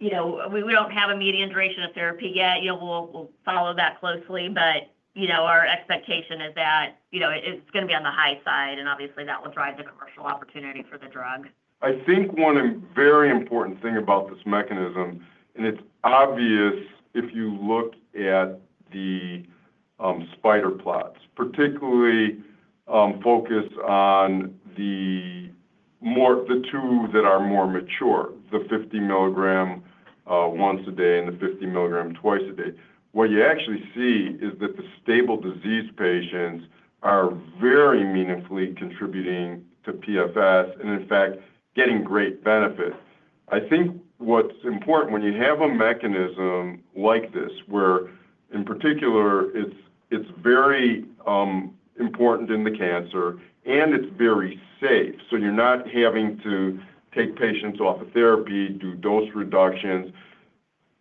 Speaker 5: we don't have a median duration of therapy yet. We'll follow that closely, but our expectation is that it's going to be on the high side, and obviously, that will drive the commercial opportunity for the drug.
Speaker 3: I think one very important thing about this mechanism, and it's obvious if you look at the spider plots, particularly focus on the two that are more mature, the 50 mgs once a day and the 50 mgs twice a day. What you actually see is that the stable disease patients are very meaningfully contributing to PFS and, in fact, getting great benefit. I think what's important when you have a mechanism like this, where in particular, it's very important in the cancer and it's very safe, so you're not having to take patients off of therapy, do dose reductions,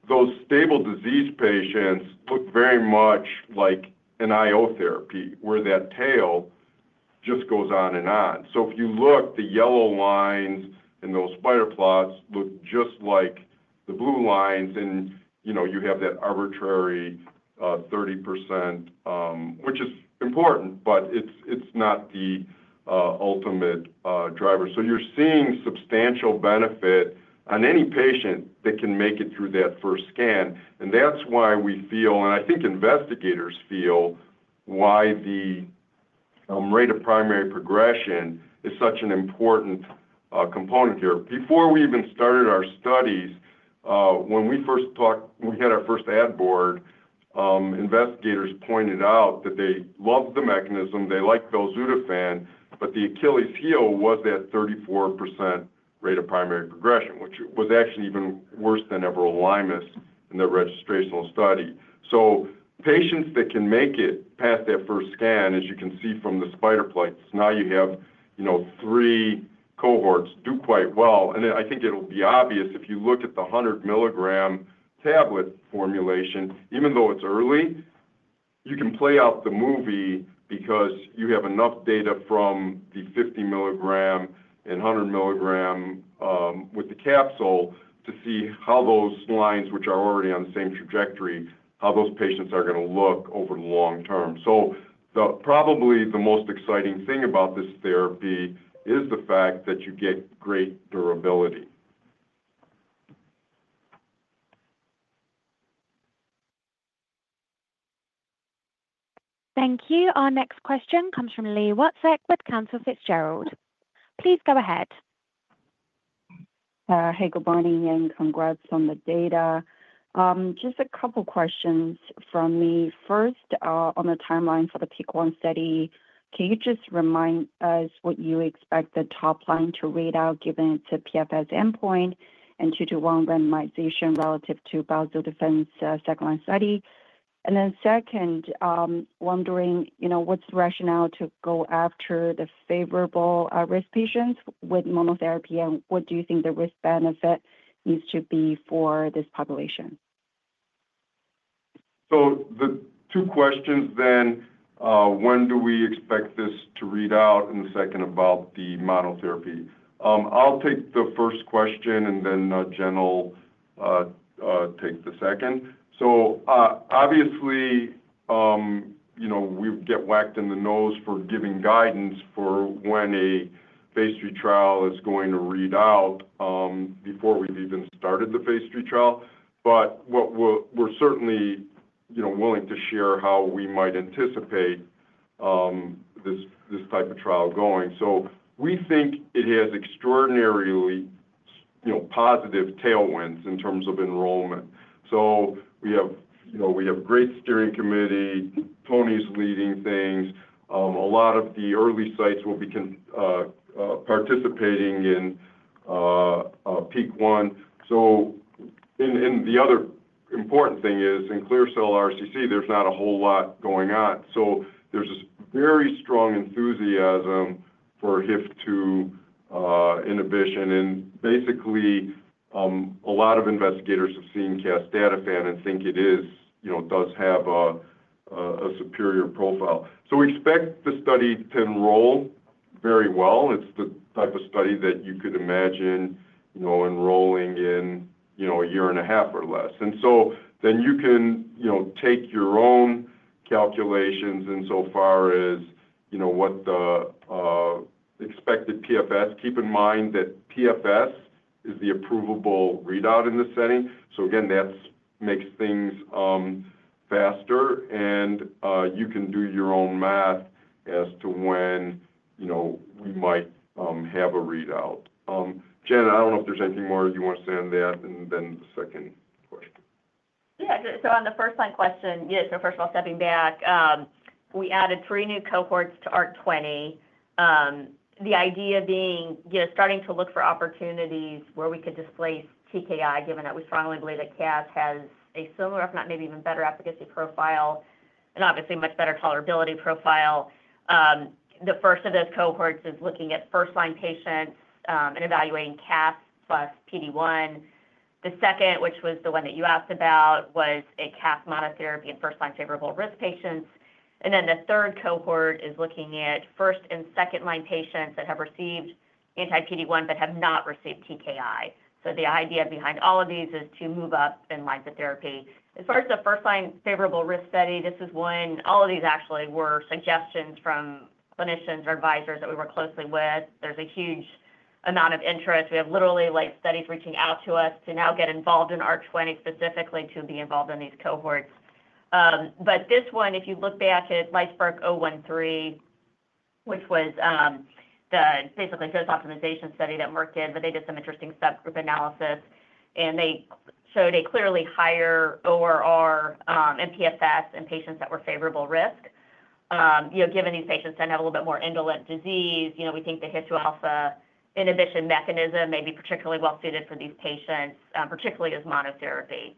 Speaker 3: those stable disease patients look very much like an IO therapy where that tail just goes on and on. So if you look, the yellow lines in those spider plots look just like the blue lines, and you have that arbitrary 30%, which is important, but it's not the ultimate driver. So you're seeing substantial benefit on any patient that can make it through that first scan. And that's why we feel, and I think investigators feel, why the rate of primary progression is such an important component here. Before we even started our studies, when we first talked, when we had our first ad board, investigators pointed out that they loved the mechanism. They liked belzutifan, but the Achilles heel was that 34% rate of primary progression, which was actually even worse than everolimus in the registrational study. So patients that can make it past that first scan, as you can see from the spider plots, now you have three cohorts do quite well. And I think it'll be obvious if you look at the 100 mg tablet formulation, even though it's early. You can play out the movie because you have enough data from the 50 mg and 100 mg with the capsule to see how those lines, which are already on the same trajectory, how those patients are going to look over the long term, so probably the most exciting thing about this therapy is the fact that you get great durability.
Speaker 1: Thank you. Our next question comes from Li Watsek with Cantor Fitzgerald. Please go ahead.
Speaker 12: Hey, good morning, and congrats on the data. Just a couple of questions from me. First, on the timeline for the PEAK-1 study, can you just remind us what you expect the top line to read out given its PFS endpoint and 2:1 randomization relative to belzutifan's second-line study? And then second, wondering what's the rationale to go after the favorable risk patients with monotherapy, and what do you think the risk-benefit needs to be for this population?
Speaker 3: So the two questions then, when do we expect this to read out, and the second about the monotherapy? I'll take the first question, and then Jen will take the second. So obviously, we get whacked in the nose for giving guidance for when a Phase III trial is going to read out before we've even started the Phase III trial. But we're certainly willing to share how we might anticipate this type of trial going. So we think it has extraordinarily positive tailwinds in terms of enrollment. So we have a great steering committee. Toni's leading things. A lot of the early sites will be participating in PEAK-1. So the other important thing is in clear cell RCC, there's not a whole lot going on. So there's this very strong enthusiasm for HIF-2α inhibition. Basically, a lot of investigators have seen casdatifan and think it does have a superior profile. We expect the study to enroll very well. It's the type of study that you could imagine enrolling in a year and a half or less. So then you can take your own calculations insofar as what the expected PFS. Keep in mind that PFS is the approvable readout in this setting. Again, that makes things faster, and you can do your own math as to when we might have a readout. Jen, I don't know if there's anything more you want to say on that, and then the second question.
Speaker 5: Yeah. So on the first-line question, yeah, so first of all, stepping back, we added three new cohorts to ARC-20, the idea being starting to look for opportunities where we could displace TKI, given that we strongly believe that Cas has a similar, if not maybe even better efficacy profile and obviously much better tolerability profile. The first of those cohorts is looking at first-line patients and evaluating Cas plus PD-1. The second, which was the one that you asked about, was a Cas monotherapy in first-line favorable risk patients. And then the third cohort is looking at first and second-line patients that have received anti-PD-1 but have not received TKI. So the idea behind all of these is to move up in lines of therapy. As far as the first-line favorable risk study, this is when all of these actually were suggestions from clinicians or advisors that we worked closely with. There's a huge amount of interest. We have literally studies reaching out to us to now get involved in ARC-20 specifically to be involved in these cohorts. But this one, if you look back at LITESPARK-013, which was basically a dose optimization study that Merck did, but they did some interesting subgroup analysis, and they showed a clearly higher ORR and PFS in patients that were favorable risk. Given these patients tend to have a little bit more indolent disease, we think the HIF-2α inhibition mechanism may be particularly well-suited for these patients, particularly as monotherapy.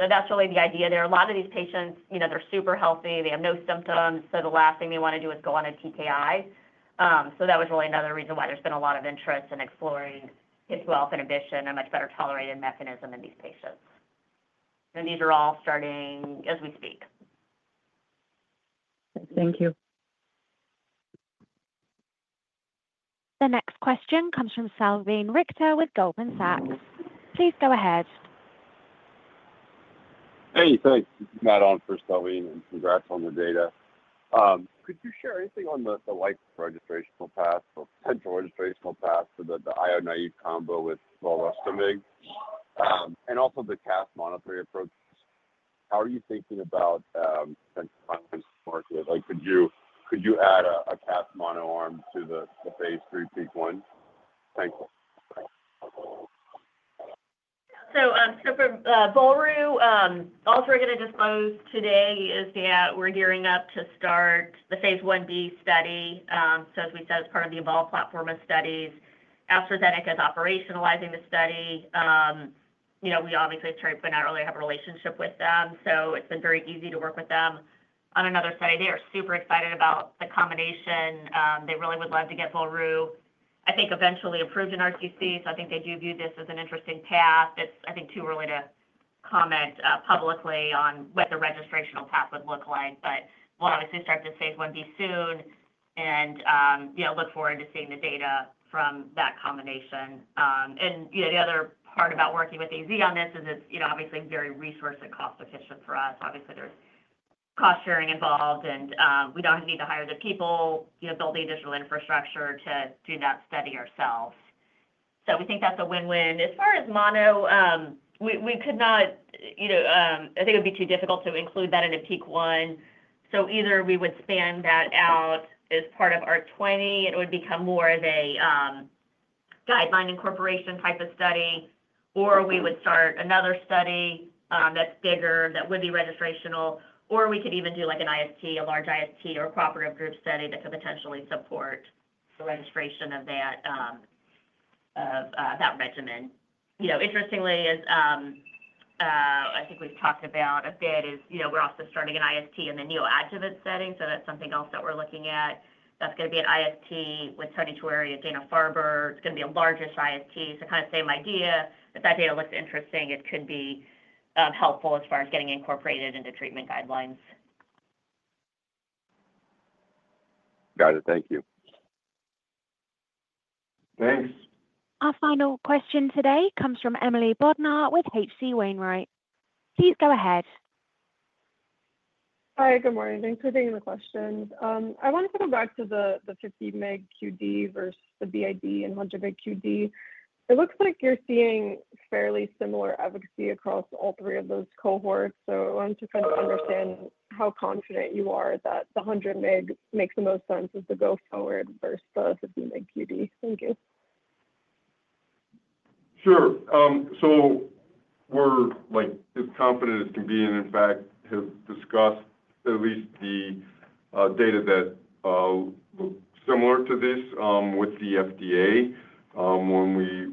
Speaker 5: So that's really the idea there. A lot of these patients, they're super healthy. They have no symptoms. So the last thing they want to do is go on a TKI. So that was really another reason why there's been a lot of interest in exploring HIF-2α inhibition, a much better tolerated mechanism in these patients. And these are all starting as we speak.
Speaker 12: Thank you.
Speaker 1: The next question comes from Salveen Richter with Goldman Sachs. Please go ahead.
Speaker 13: Hey, thanks. Matt on for Salveen, and congrats on the data. Could you share anything on the LITESPARK registrational path or potential registrational path for the IO-naive combo with volrustomig and also the casdatifan monotherapy approach? How are you thinking about market? Could you add a casdatifan mono arm to the Phase III PEAK-1? Thanks.
Speaker 5: For volrustomig, we're also going to disclose today that we're gearing up to start the Phase 1b study. As we said, it's part of the EVOLVE platform of studies. AstraZeneca is operationalizing the study. We obviously, as Terry pointed out earlier, have a relationship with them. So it's been very easy to work with them on another study. They are super excited about the combination. They really would love to get volrustomig, I think, eventually approved in RCC. So I think they do view this as an interesting path. It's, I think, too early to comment publicly on what the registrational path would look like, but we'll obviously start this Phase 1b soon and look forward to seeing the data from that combination. The other part about working with AZ on this is it's obviously very resource and cost-efficient for us. Obviously, there's cost-sharing involved, and we don't need to hire the people, build the additional infrastructure to do that study ourselves. So we think that's a win-win. As far as mono, we could not, I think it would be too difficult to include that in a PEAK-1. So either we would span that out as part of ARC-20, and it would become more of a guideline incorporation type of study, or we would start another study that's bigger that would be registrational, or we could even do an IST, a large IST or cooperative group study that could potentially support the registration of that regimen. Interestingly, as I think we've talked about a bit, is we're also starting an IST in the neoadjuvant setting. So that's something else that we're looking at. That's going to be an IST with Toni Choueiri and Dana-Farber. It's going to be the largest IST. So kind of the same idea. If that data looks interesting, it could be helpful as far as getting incorporated into treatment guidelines.
Speaker 13: Got it. Thank you.
Speaker 3: Thanks.
Speaker 1: Our final question today comes from Emily Bodnar with H.C. Wainwright. Please go ahead.
Speaker 14: Hi, good morning. Thanks for taking the question. I wanted to go back to the 50 mg QD versus the BID and 100 mg QD. It looks like you're seeing fairly similar efficacy across all three of those cohorts. So I wanted to kind of understand how confident you are that the 100 mg makes the most sense as the go-forward versus the 50 mg QD. Thank you.
Speaker 3: Sure, so we're as confident as can be, and in fact, have discussed at least the data that looked similar to this with the FDA when we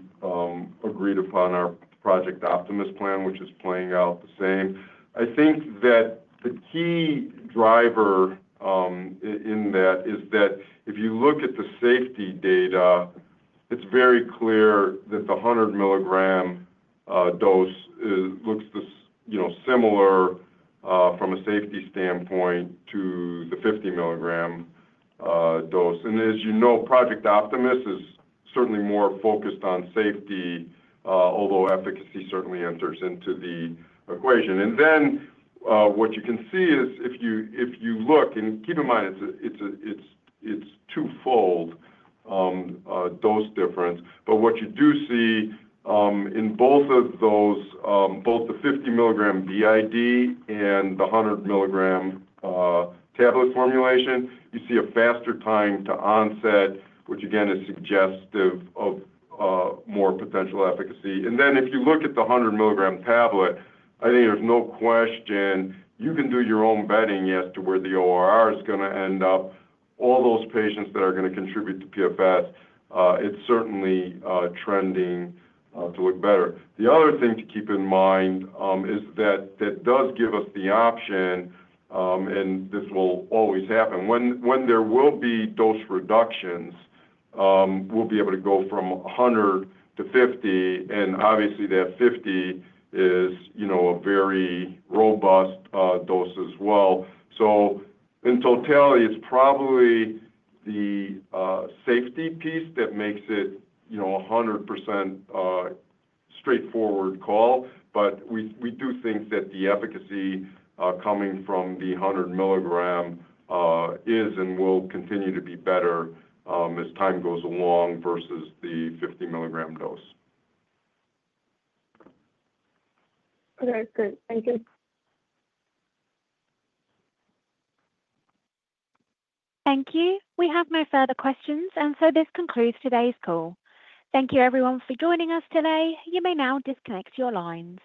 Speaker 3: agreed upon our Project Optimus plan, which is playing out the same. I think that the key driver in that is that if you look at the safety data, it's very clear that the 100 mg dose looks similar from a safety standpoint to the 50 mg dose, and as you know, Project Optimus is certainly more focused on safety, although efficacy certainly enters into the equation, and then what you can see is if you look, and keep in mind, it's a twofold dose difference. But what you do see in both of those, both the 50 mg BID and the 100 mg tablet formulation, you see a faster time to onset, which again is suggestive of more potential efficacy. And then if you look at the 100 mg tablet, I think there's no question you can do your own betting as to where the ORR is going to end up. All those patients that are going to contribute to PFS, it's certainly trending to look better. The other thing to keep in mind is that that does give us the option, and this will always happen. When there will be dose reductions, we'll be able to go from 100 to 50. And obviously, that 50 is a very robust dose as well. So in totality, it's probably the safety piece that makes it a 100% straightforward call. But we do think that the efficacy coming from the 100 mg is and will continue to be better as time goes along versus the 50 mg dose.
Speaker 14: Okay. Great. Thank you.
Speaker 1: Thank you. We have no further questions. And so this concludes today's call. Thank you, everyone, for joining us today. You may now disconnect your lines.